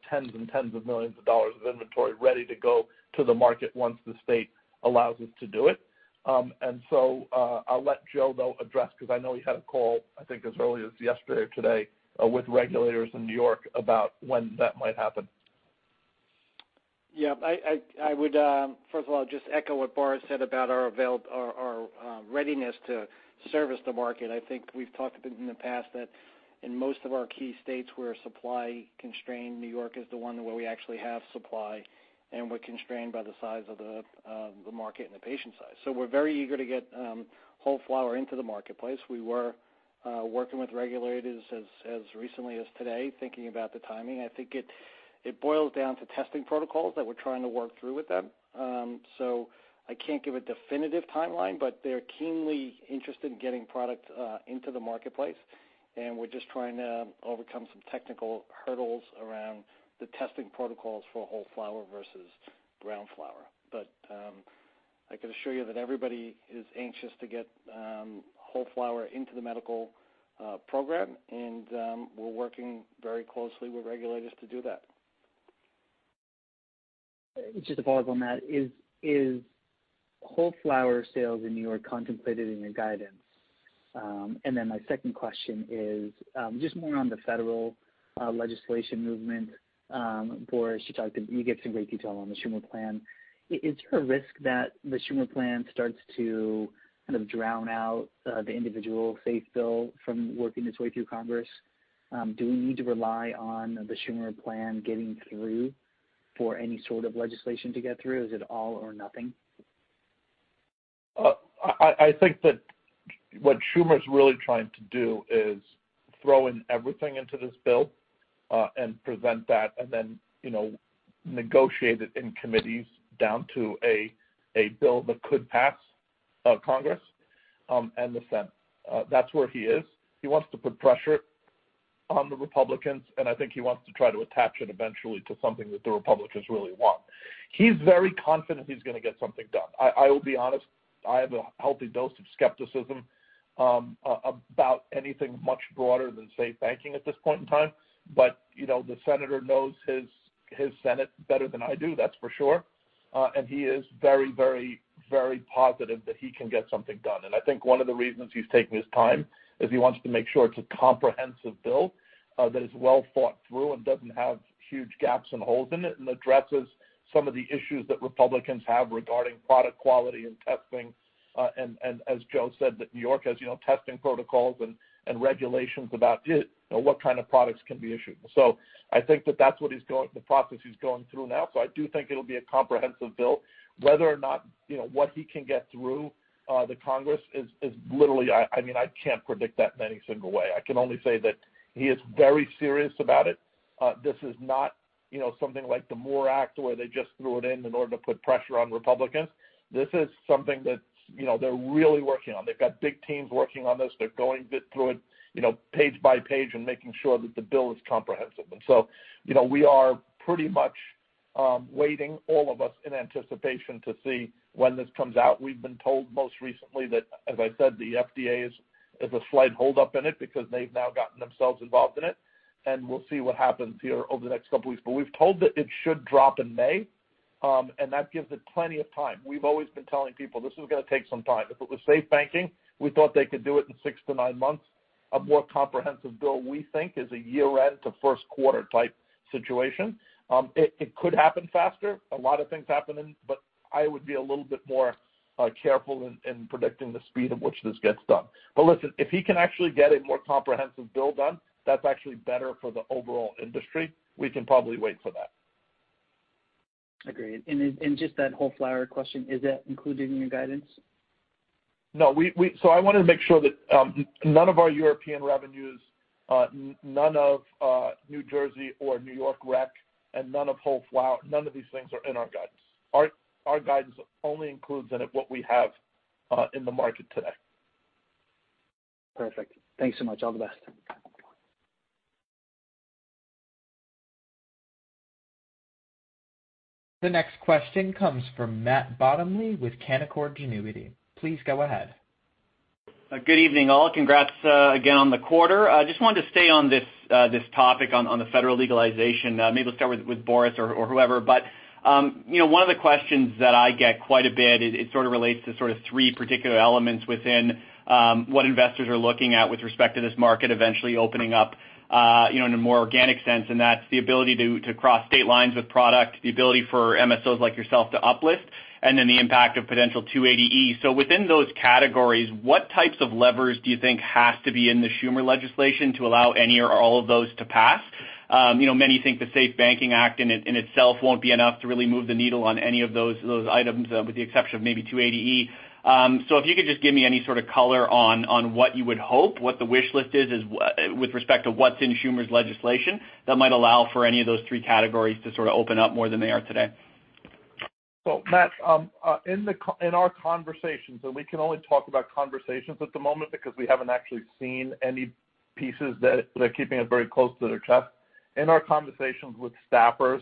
Speaker 3: tens and tens of millions of dollars of inventory ready to go to the market once the state allows us to do it. I'll let Joe though address, because I know he had a call, I think as early as yesterday or today with regulators in New York about when that might happen.
Speaker 4: Yeah. I would, first of all, just echo what Boris said about our readiness to service the market. I think we've talked in the past that in most of our key states, we're supply constrained. New York is the one where we actually have supply, and we're constrained by the size of the market and the patient size. We're very eager to get whole flower into the marketplace. We were working with regulators as recently as today, thinking about the timing. I think it boils down to testing protocols that we're trying to work through with them. I can't give a definitive timeline, but they're keenly interested in getting product into the marketplace, and we're just trying to overcome some technical hurdles around the testing protocols for whole flower versus ground flower. I can assure you that everybody is anxious to get whole flower into the medical program, and we're working very closely with regulators to do that.
Speaker 9: Just to follow up on that, is whole flower sales in N.Y. contemplated in your guidance? My second question is, just more on the federal legislation movement? Boris, you gave some great detail on the Schumer plan. Is there a risk that the Schumer plan starts to kind of drown out the individual SAFE bill from working its way through Congress? Do we need to rely on the Schumer plan getting through for any sort of legislation to get through? Is it all or nothing?
Speaker 3: I think that what Schumer's really trying to do is throw in everything into this bill, and present that and then negotiate it in committees down to a bill that could pass Congress and the Senate. That's where he is. He wants to put pressure on the Republicans, I think he wants to try to attach it eventually to something that the Republicans really want. He's very confident he's going to get something done. I will be honest, I have a healthy dose of skepticism about anything much broader than SAFE Banking at this point in time. The senator knows his Senate better than I do, that's for sure. He is very positive that he can get something done. I think one of the reasons he's taking his time is he wants to make sure it's a comprehensive bill that is well thought through and doesn't have huge gaps and holes in it, and addresses some of the issues that Republicans have regarding product quality and testing. As Joe said, that New York has testing protocols and regulations about what kind of products can be issued. I think that that's what the process he's going through now. I do think it'll be a comprehensive bill. Whether or not what he can get through the Congress is literally, I can't predict that in any single way. I can only say that he is very serious about it. This is not something like the MORE Act, where they just threw it in in order to put pressure on Republicans. This is something that they're really working on. They've got big teams working on this. They're going through it page by page and making sure that the bill is comprehensive. We are pretty much waiting, all of us, in anticipation to see when this comes out. We've been told most recently that, as I said, the FDA is a slight hold up in it because they've now gotten themselves involved in it, and we'll see what happens here over the next couple weeks. We're told that it should drop in May, and that gives it plenty of time. We've always been telling people this is going to take some time. If it was SAFE Banking, we thought they could do it in six to nine months. A more comprehensive bill, we think, is a year-end to first quarter type situation. It could happen faster. A lot of things happen in, but I would be a little bit more careful in predicting the speed at which this gets done. Listen, if he can actually get a more comprehensive bill done, that's actually better for the overall industry. We can probably wait for that.
Speaker 9: Agreed. Just that whole flower question, is that included in your guidance?
Speaker 3: No. I wanted to make sure that none of our European revenues, none of New Jersey or New York rec, and none of whole flower, none of these things are in our guidance. Our guidance only includes in it what we have in the market today.
Speaker 9: Perfect. Thanks so much. All the best.
Speaker 1: The next question comes from Matt Bottomley with Canaccord Genuity. Please go ahead.
Speaker 10: Good evening, all. Congrats again on the quarter. Just wanted to stay on this topic on the federal legalization. Maybe let's start with Boris or whoever, but one of the questions that I get quite a bit, it sort of relates to sort of three particular elements within what investors are looking at with respect to this market eventually opening up in a more organic sense, and that's the ability to cross state lines with product, the ability for MSOs like yourself to uplist, and then the impact of potential 280E. Within those categories, what types of levers do you think has to be in the Schumer legislation to allow any or all of those to pass? Many think the SAFE Banking Act in itself won't be enough to really move the needle on any of those items, with the exception of maybe 280E. If you could just give me any sort of color on what you would hope, what the wish list is with respect to what's in Schumer's legislation that might allow for any of those three categories to sort of open up more than they are today.
Speaker 3: Matt, in our conversations, and we can only talk about conversations at the moment because we haven't actually seen any pieces. They're keeping it very close to their chest. In our conversations with staffers,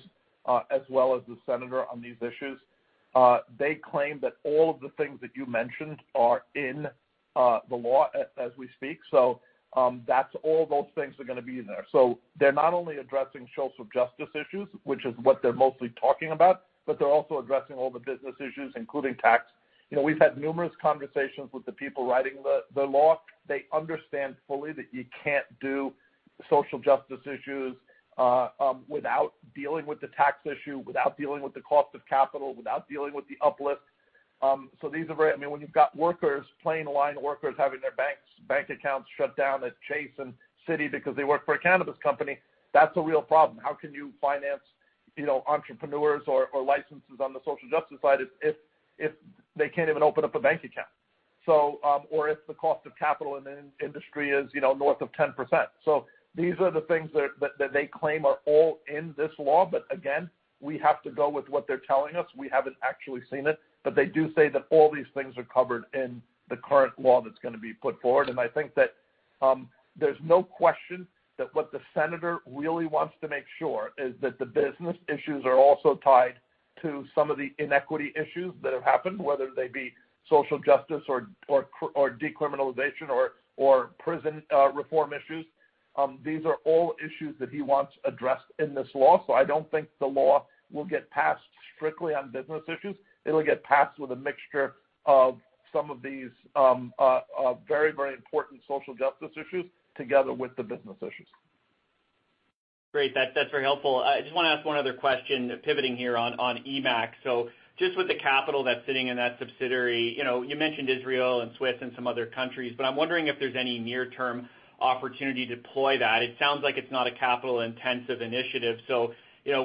Speaker 3: as well as the senator on these issues, they claim that all of the things that you mentioned are in the law as we speak. That's all those things are going to be in there. They're not only addressing social justice issues, which is what they're mostly talking about, but they're also addressing all the business issues, including tax. We've had numerous conversations with the people writing the law. They understand fully that you can't do social justice issues without dealing with the tax issue, without dealing with the cost of capital, without dealing with the uplift. When you've got workers, plant line workers, having their bank accounts shut down at Chase and Citi because they work for a cannabis company, that's a real problem. How can you finance entrepreneurs or licenses on the social justice side if they can't even open up a bank account? If the cost of capital in the industry is north of 10%. These are the things that they claim are all in this law. Again, we have to go with what they're telling us. We haven't actually seen it, but they do say that all these things are covered in the current law that's going to be put forward. I think that there's no question that what the senator really wants to make sure is that the business issues are also tied to some of the inequity issues that have happened, whether they be social justice or decriminalization or prison reform issues. These are all issues that he wants addressed in this law. I don't think the law will get passed strictly on business issues. It'll get passed with a mixture of some of these very important social justice issues together with the business issues.
Speaker 10: Great. That's very helpful. I just want to ask one other question, pivoting here on EMMAC. Just with the capital that's sitting in that subsidiary, you mentioned Israel and Swiss and some other countries, but I'm wondering if there's any near-term opportunity to deploy that. It sounds like it's not a capital-intensive initiative.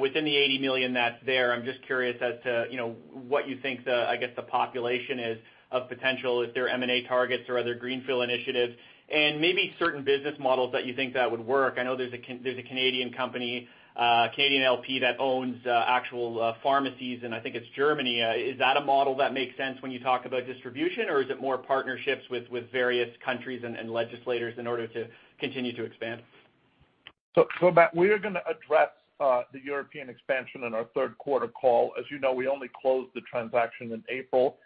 Speaker 10: Within the $80 million that's there, I'm just curious as to what you think the population is of potential if there are M&A targets or other greenfield initiatives, and maybe certain business models that you think that would work. I know there's a Canadian company, Canadian LP, that owns actual pharmacies in I think it's Germany. Is that a model that makes sense when you talk about distribution, or is it more partnerships with various countries and legislators in order to continue to expand?
Speaker 3: Matt, we are going to address the European expansion in our third quarter call. As you know, we only closed the transaction in April.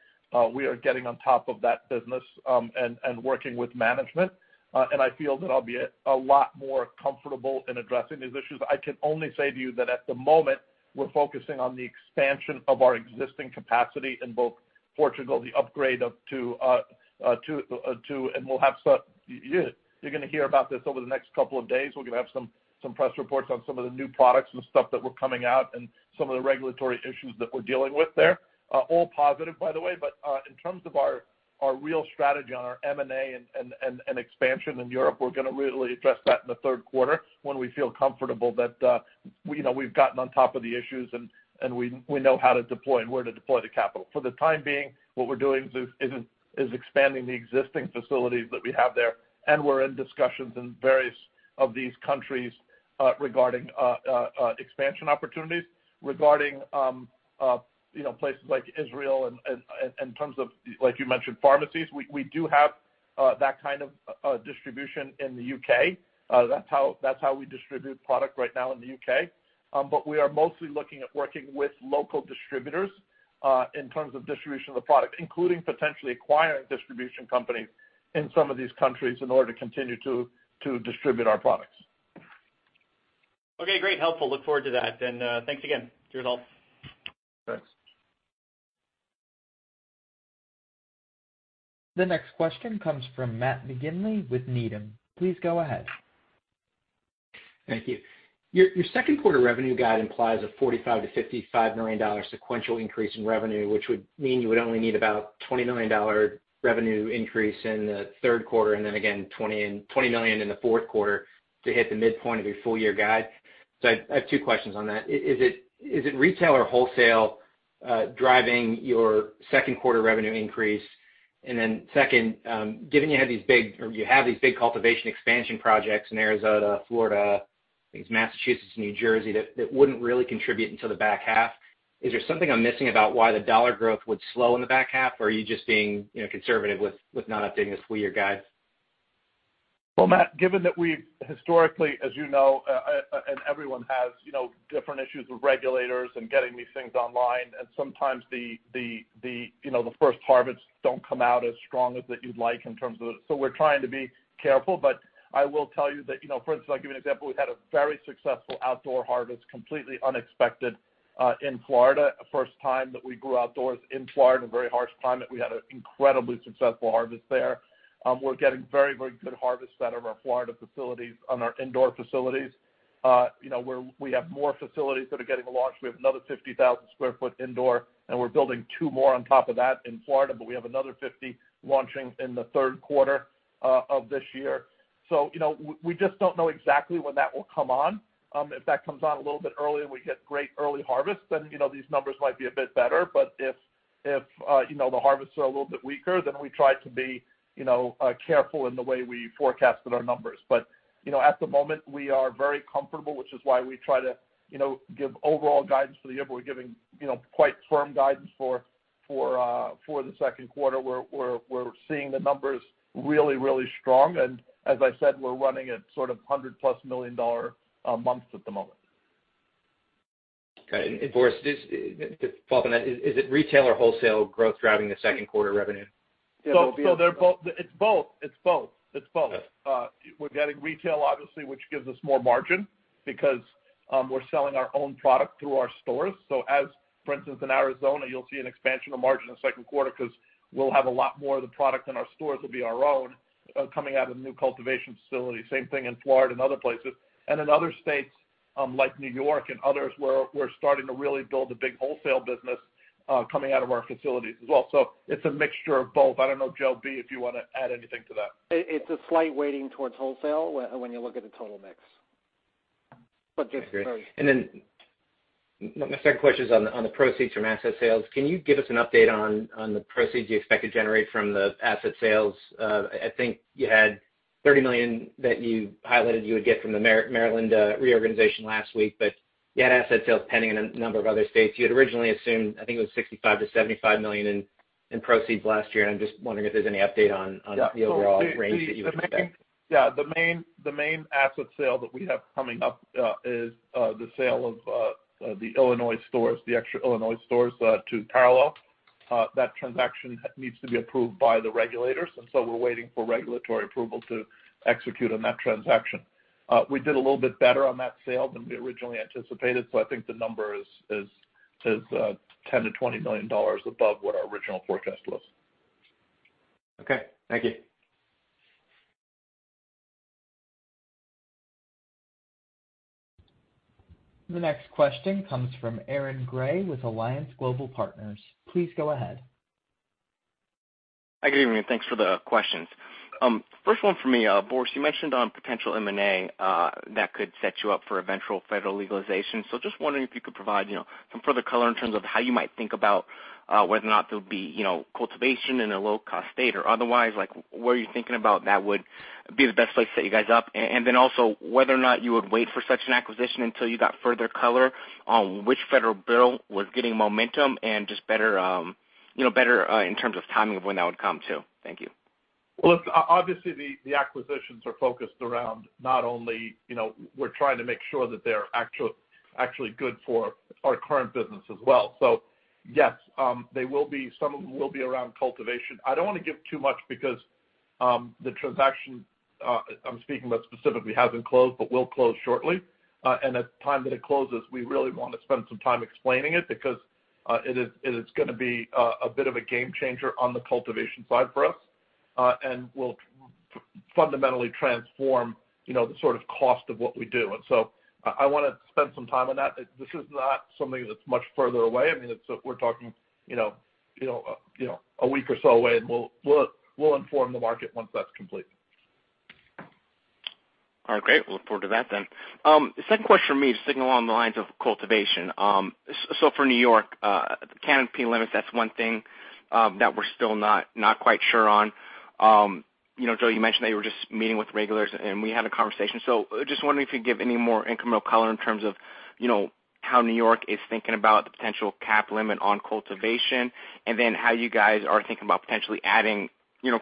Speaker 3: We are getting on top of that business and working with management. I feel that I'll be a lot more comfortable in addressing these issues. I can only say to you that at the moment, we're focusing on the expansion of our existing capacity in both Portugal, the upgrade of two--. You're going to hear about this over the next couple of days. We're going to have some press reports on some of the new products and stuff that we're coming out and some of the regulatory issues that we're dealing with there. All positive, by the way, but in terms of our real strategy on our M&A and expansion in Europe, we're going to really address that in the third quarter when we feel comfortable that we've gotten on top of the issues, and we know how to deploy and where to deploy the capital. For the time being, what we're doing is expanding the existing facilities that we have there, and we're in discussions in various of these countries regarding expansion opportunities, regarding places like Israel and in terms of, like you mentioned, pharmacies. We do have that kind of distribution in the U.K. That's how we distribute product right now in the U.K. We are mostly looking at working with local distributors in terms of distribution of the product, including potentially acquiring a distribution company in some of these countries in order to continue to distribute our products.
Speaker 10: Okay, great. Helpful. Look forward to that. Thanks again. Cheers, all.
Speaker 3: Thanks.
Speaker 1: The next question comes from Matt McGinley with Needham. Please go ahead.
Speaker 11: Thank you. Your second quarter revenue guide implies a $45 million-$55 million sequential increase in revenue, which would mean you would only need about $20 million revenue increase in the third quarter and then again, $20 million in the fourth quarter to hit the midpoint of your full-year guide. I have two questions on that. Is it retail or wholesale driving your second quarter revenue increase? Second, given you have these big cultivation expansion projects in Arizona, Florida, I think it's Massachusetts, and New Jersey that wouldn't really contribute until the back half, is there something I'm missing about why the dollar growth would slow in the back half, or are you just being conservative with not updating this full year guide?
Speaker 3: Matt, given that we historically, as you know, everyone has different issues with regulators and getting these things online, and sometimes the first harvests don't come out as strong as you'd like. We're trying to be careful. I will tell you that, for instance, I'll give you an example. We've had a very successful outdoor harvest, completely unexpected, in Florida. First time that we grew outdoors in Florida, in a very harsh climate. We had an incredibly successful harvest there. We're getting very good harvests out of our Florida facilities on our indoor facilities. We have more facilities that are getting launched. We have another 50,000 sq ft indoor, and we're building two more on top of that in Florida, but we have another 50 launching in the third quarter of this year. We just don't know exactly when that will come on. If that comes on a little bit early and we get great early harvests, then these numbers might be a bit better. If the harvests are a little bit weaker, then we try to be careful in the way we forecasted our numbers. At the moment, we are very comfortable, which is why we try to give overall guidance for the year. We're giving quite firm guidance for the second quarter. We're seeing the numbers really strong, and as I said, we're running at sort of $100-plus million months at the moment.
Speaker 11: Got it. Boris, to follow up on that, is it retail or wholesale growth driving the second quarter revenue?
Speaker 3: They're both It's both. We're getting retail, obviously, which gives us more margin because we're selling our own product through our stores. As, for instance, in Arizona, you'll see an expansion of margin in the second quarter because we'll have a lot more of the product in our stores will be our own, coming out of the new cultivation facility. Same thing in Florida and other places. In other states, like New York and others, we're starting to really build a big wholesale business coming out of our facilities as well. It's a mixture of both. I don't know, Joe B, if you want to add anything to that? It's a slight weighting towards wholesale when you look at the total mix.
Speaker 11: Okay. My second question is on the proceeds from asset sales. Can you give us an update on the proceeds you expect to generate from the asset sales? I think you had $30 million that you highlighted you would get from the Maryland reorganization last week, but you had asset sales pending in a number of other states. You had originally assumed, I think it was $65 million-$75 million in proceeds last year, and I'm just wondering if there's any update on the overall range that you would expect.
Speaker 3: Yeah. The main asset sale that we have coming up is the sale of the Illinois stores, the extra Illinois stores, to Parallel. That transaction needs to be approved by the regulators. We're waiting for regulatory approval to execute on that transaction. We did a little bit better on that sale than we originally anticipated. I think the number is $10 million-$20 million above what our original forecast was.
Speaker 11: Okay. Thank you.
Speaker 1: The next question comes from Aaron Grey with Alliance Global Partners. Please go ahead.
Speaker 12: Hi, good evening. Thanks for the questions. First one for me, Boris, you mentioned on potential M&A that could set you up for eventual federal legalization. Just wondering if you could provide some further color in terms of how you might think about whether or not there'll be cultivation in a low-cost state or otherwise. Where are you thinking about that would be the best place to set you guys up? Also, whether or not you would wait for such an acquisition until you got further color on which federal bill was getting momentum and just better in terms of timing of when that would come, too. Thank you.
Speaker 3: Well, look, obviously the acquisitions are focused around not only, we're trying to make sure that they're actually good for our current business as well. Yes, some of them will be around cultivation. I don't want to give too much because the transaction I'm speaking about specifically hasn't closed, but will close shortly. At the time that it closes, we really want to spend some time explaining it because it is going to be a bit of a game changer on the cultivation side for us, and will fundamentally transform the sort of cost of what we do. I want to spend some time on that. This is not something that's much further away. I mean, we're talking a week or so away, and we'll inform the market once that's complete.
Speaker 12: All right, great. We'll look forward to that then. Second question for me is sticking along the lines of cultivation. For N.Y., canopy limits, that's one thing that we're still not quite sure on. Joe, you mentioned that you were just meeting with regulators and we had a conversation. Just wondering if you'd give any more incremental color in terms of how N.Y. is thinking about the potential cap limit on cultivation, and then how you guys are thinking about potentially adding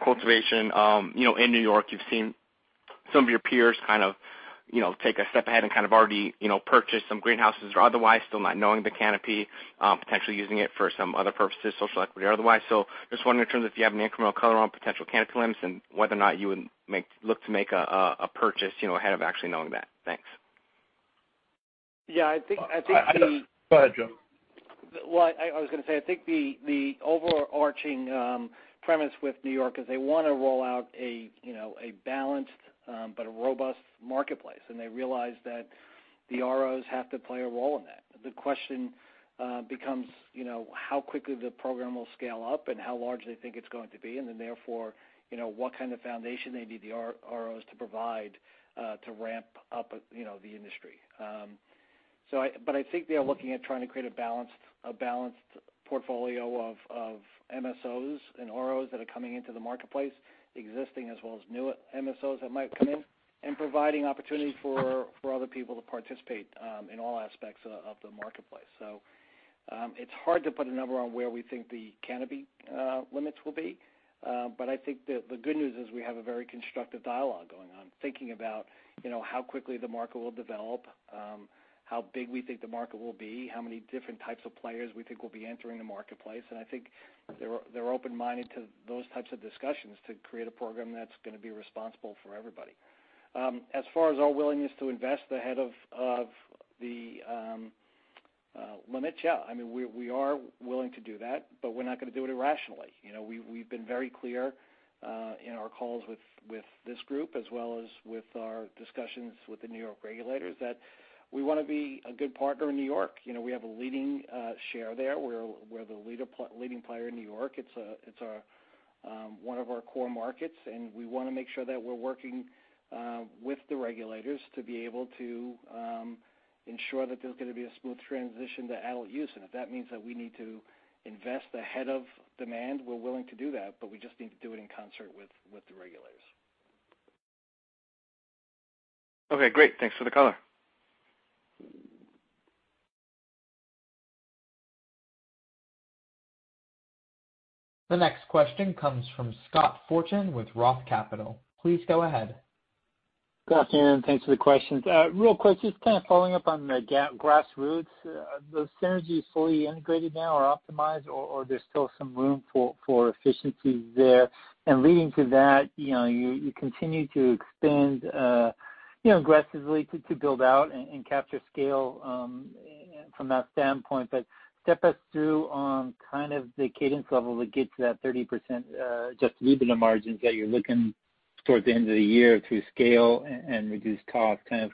Speaker 12: cultivation in N.Y. You've seen some of your peers kind of take a step ahead and kind of already purchase some greenhouses or otherwise, still not knowing the canopy, potentially using it for some other purposes, social equity or otherwise. Just wondering in terms if you have any incremental color on potential canopy limits and whether or not you would look to make a purchase ahead of actually knowing that? Thanks.
Speaker 4: Yeah, I think.
Speaker 3: Go ahead, Joe.
Speaker 4: Well, I was going to say, I think the overarching premise with New York is they want to roll out a balanced but a robust marketplace, and they realize that the RO have to play a role in that. The question becomes how quickly the program will scale up and how large they think it's going to be, and then therefore, what kind of foundation they need the RO to provide to ramp up the industry. I think they are looking at trying to create a balanced portfolio of MSOs and RO that are coming into the marketplace, existing as well as new MSOs that might come in, and providing opportunities for other people to participate in all aspects of the marketplace. It's hard to put a number on where we think the canopy limits will be. I think that the good news is we have a very constructive dialogue going on, thinking about how quickly the market will develop, how big we think the market will be, how many different types of players we think will be entering the marketplace. I think they're open-minded to those types of discussions to create a program that's going to be responsible for everybody. As far as our willingness to invest ahead of the limits, yeah, I mean, we are willing to do that, but we're not going to do it irrationally. We've been very clear in our calls with this group as well as with our discussions with the New York regulators that we want to be a good partner in New York. We have a leading share there. We're the leading player in New York. It's one of our core markets, and we want to make sure that we're working with the regulators to be able to ensure that there's going to be a smooth transition to adult use. If that means that we need to invest ahead of demand, we're willing to do that, but we just need to do it in concert with the regulators.
Speaker 12: Okay, great. Thanks for the color.
Speaker 1: The next question comes from Scott Fortune with ROTH Capital. Please go ahead.
Speaker 13: Good afternoon. Thanks for the questions. Real quick, just kind of following up on the Grassroots. Are those synergies fully integrated now or optimized, or there's still some room for efficiencies there? Leading to that, you continue to expand aggressively to build out and capture scale from that standpoint. Step us through on kind of the cadence level to get to that 30% adjusted EBITDA margins that you're looking towards the end of the year through scale and reduced cost, kind of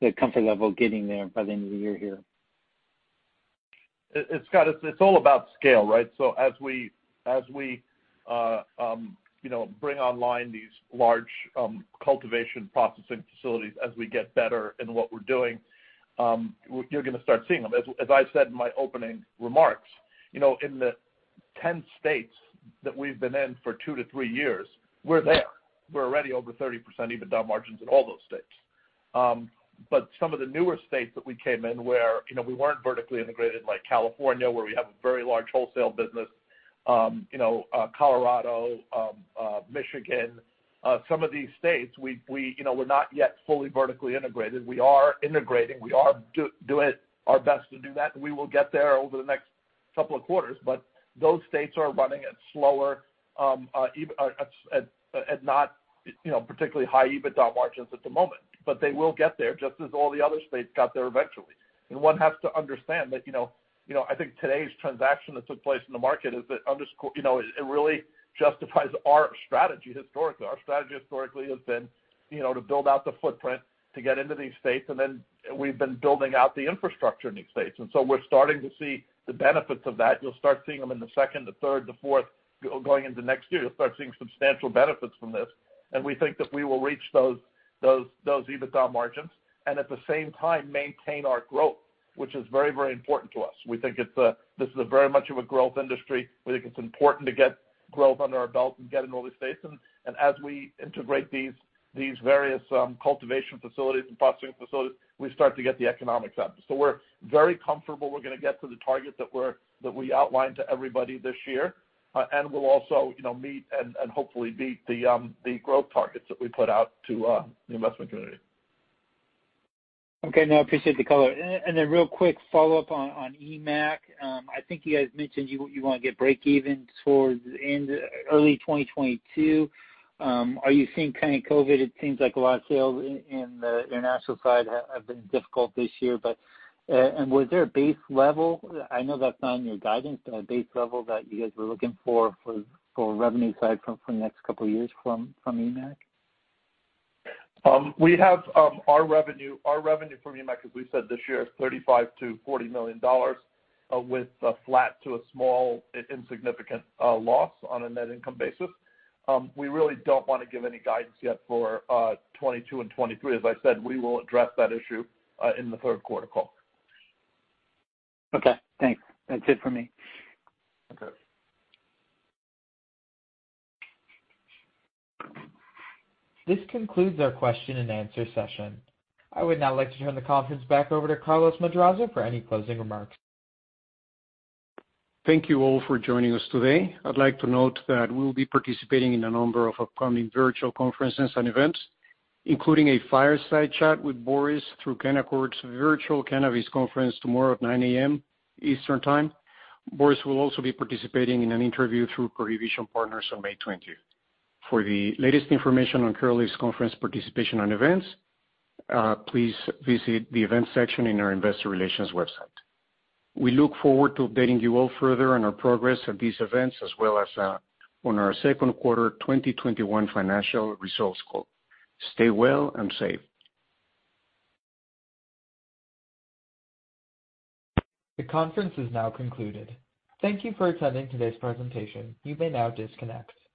Speaker 13: the comfort level getting there by the end of the year here.
Speaker 3: Scott Fortune, it's all about scale, right? As we bring online these large cultivation processing facilities, as we get better in what we're doing, you're going to start seeing them. As I said in my opening remarks, in the 10 states that we've been in for two to three years, we're there. We're already over 30% EBITDA margins in all those states. Some of the newer states that we came in where we weren't vertically integrated, like California, where we have a very large wholesale business, Colorado, Michigan, some of these states, we're not yet fully vertically integrated. We are integrating. We are doing our best to do that, and we will get there over the next couple of quarters. Those states are running at not particularly high EBITDA margins at the moment. They will get there just as all the other states got there eventually. One has to understand that I think today's transaction that took place in the market, it really justifies our strategy historically. Our strategy historically has been to build out the footprint to get into these states, we've been building out the infrastructure in these states. We're starting to see the benefits of that. You'll start seeing them in the second, the third, the fourth, going into next year. You'll start seeing substantial benefits from this, we think that we will reach those EBITDA margins and at the same time maintain our growth, which is very important to us. We think this is very much of a growth industry. We think it's important to get growth under our belt and get into all these states. As we integrate these various cultivation facilities and processing facilities, we start to get the economics up. We're very comfortable we're going to get to the target that we outlined to everybody this year. We'll also meet and hopefully beat the growth targets that we put out to the investment community.
Speaker 13: Okay. No, I appreciate the color. Real quick follow-up on EMMAC. I think you guys mentioned you want to get breakeven towards early 2022. Are you seeing kind of COVID? It seems like a lot of sales in the international side have been difficult this year. Was there a base level? I know that's not in your guidance, but a base level that you guys were looking for revenue side for the next couple of years from EMMAC?
Speaker 3: Our revenue from EMMAC, as we said this year, is $35 million-$40 million, with a flat to a small insignificant loss on a net income basis. We really don't want to give any guidance yet for 2022 and 2023. As I said, we will address that issue in the third quarter call.
Speaker 13: Okay, thanks. That's it for me.
Speaker 3: Okay.
Speaker 1: This concludes our question and answer session. I would now like to turn the conference back over to Carlos Madrazo for any closing remarks.
Speaker 2: Thank you all for joining us today. I'd like to note that we will be participating in a number of upcoming virtual conferences and events, including a fireside chat with Boris through Canaccord's Virtual Cannabis Conference tomorrow at 9:00 A.M. Eastern time. Boris will also be participating in an interview through Prohibition Partners on May 20th. For the latest information on Curaleaf's conference participation and events, please visit the events section in our investor relations website. We look forward to updating you all further on our progress at these events, as well as on our second quarter 2021 financial results call. Stay well and safe.
Speaker 1: The conference is now concluded. Thank you for attending today's presentation. You may now disconnect.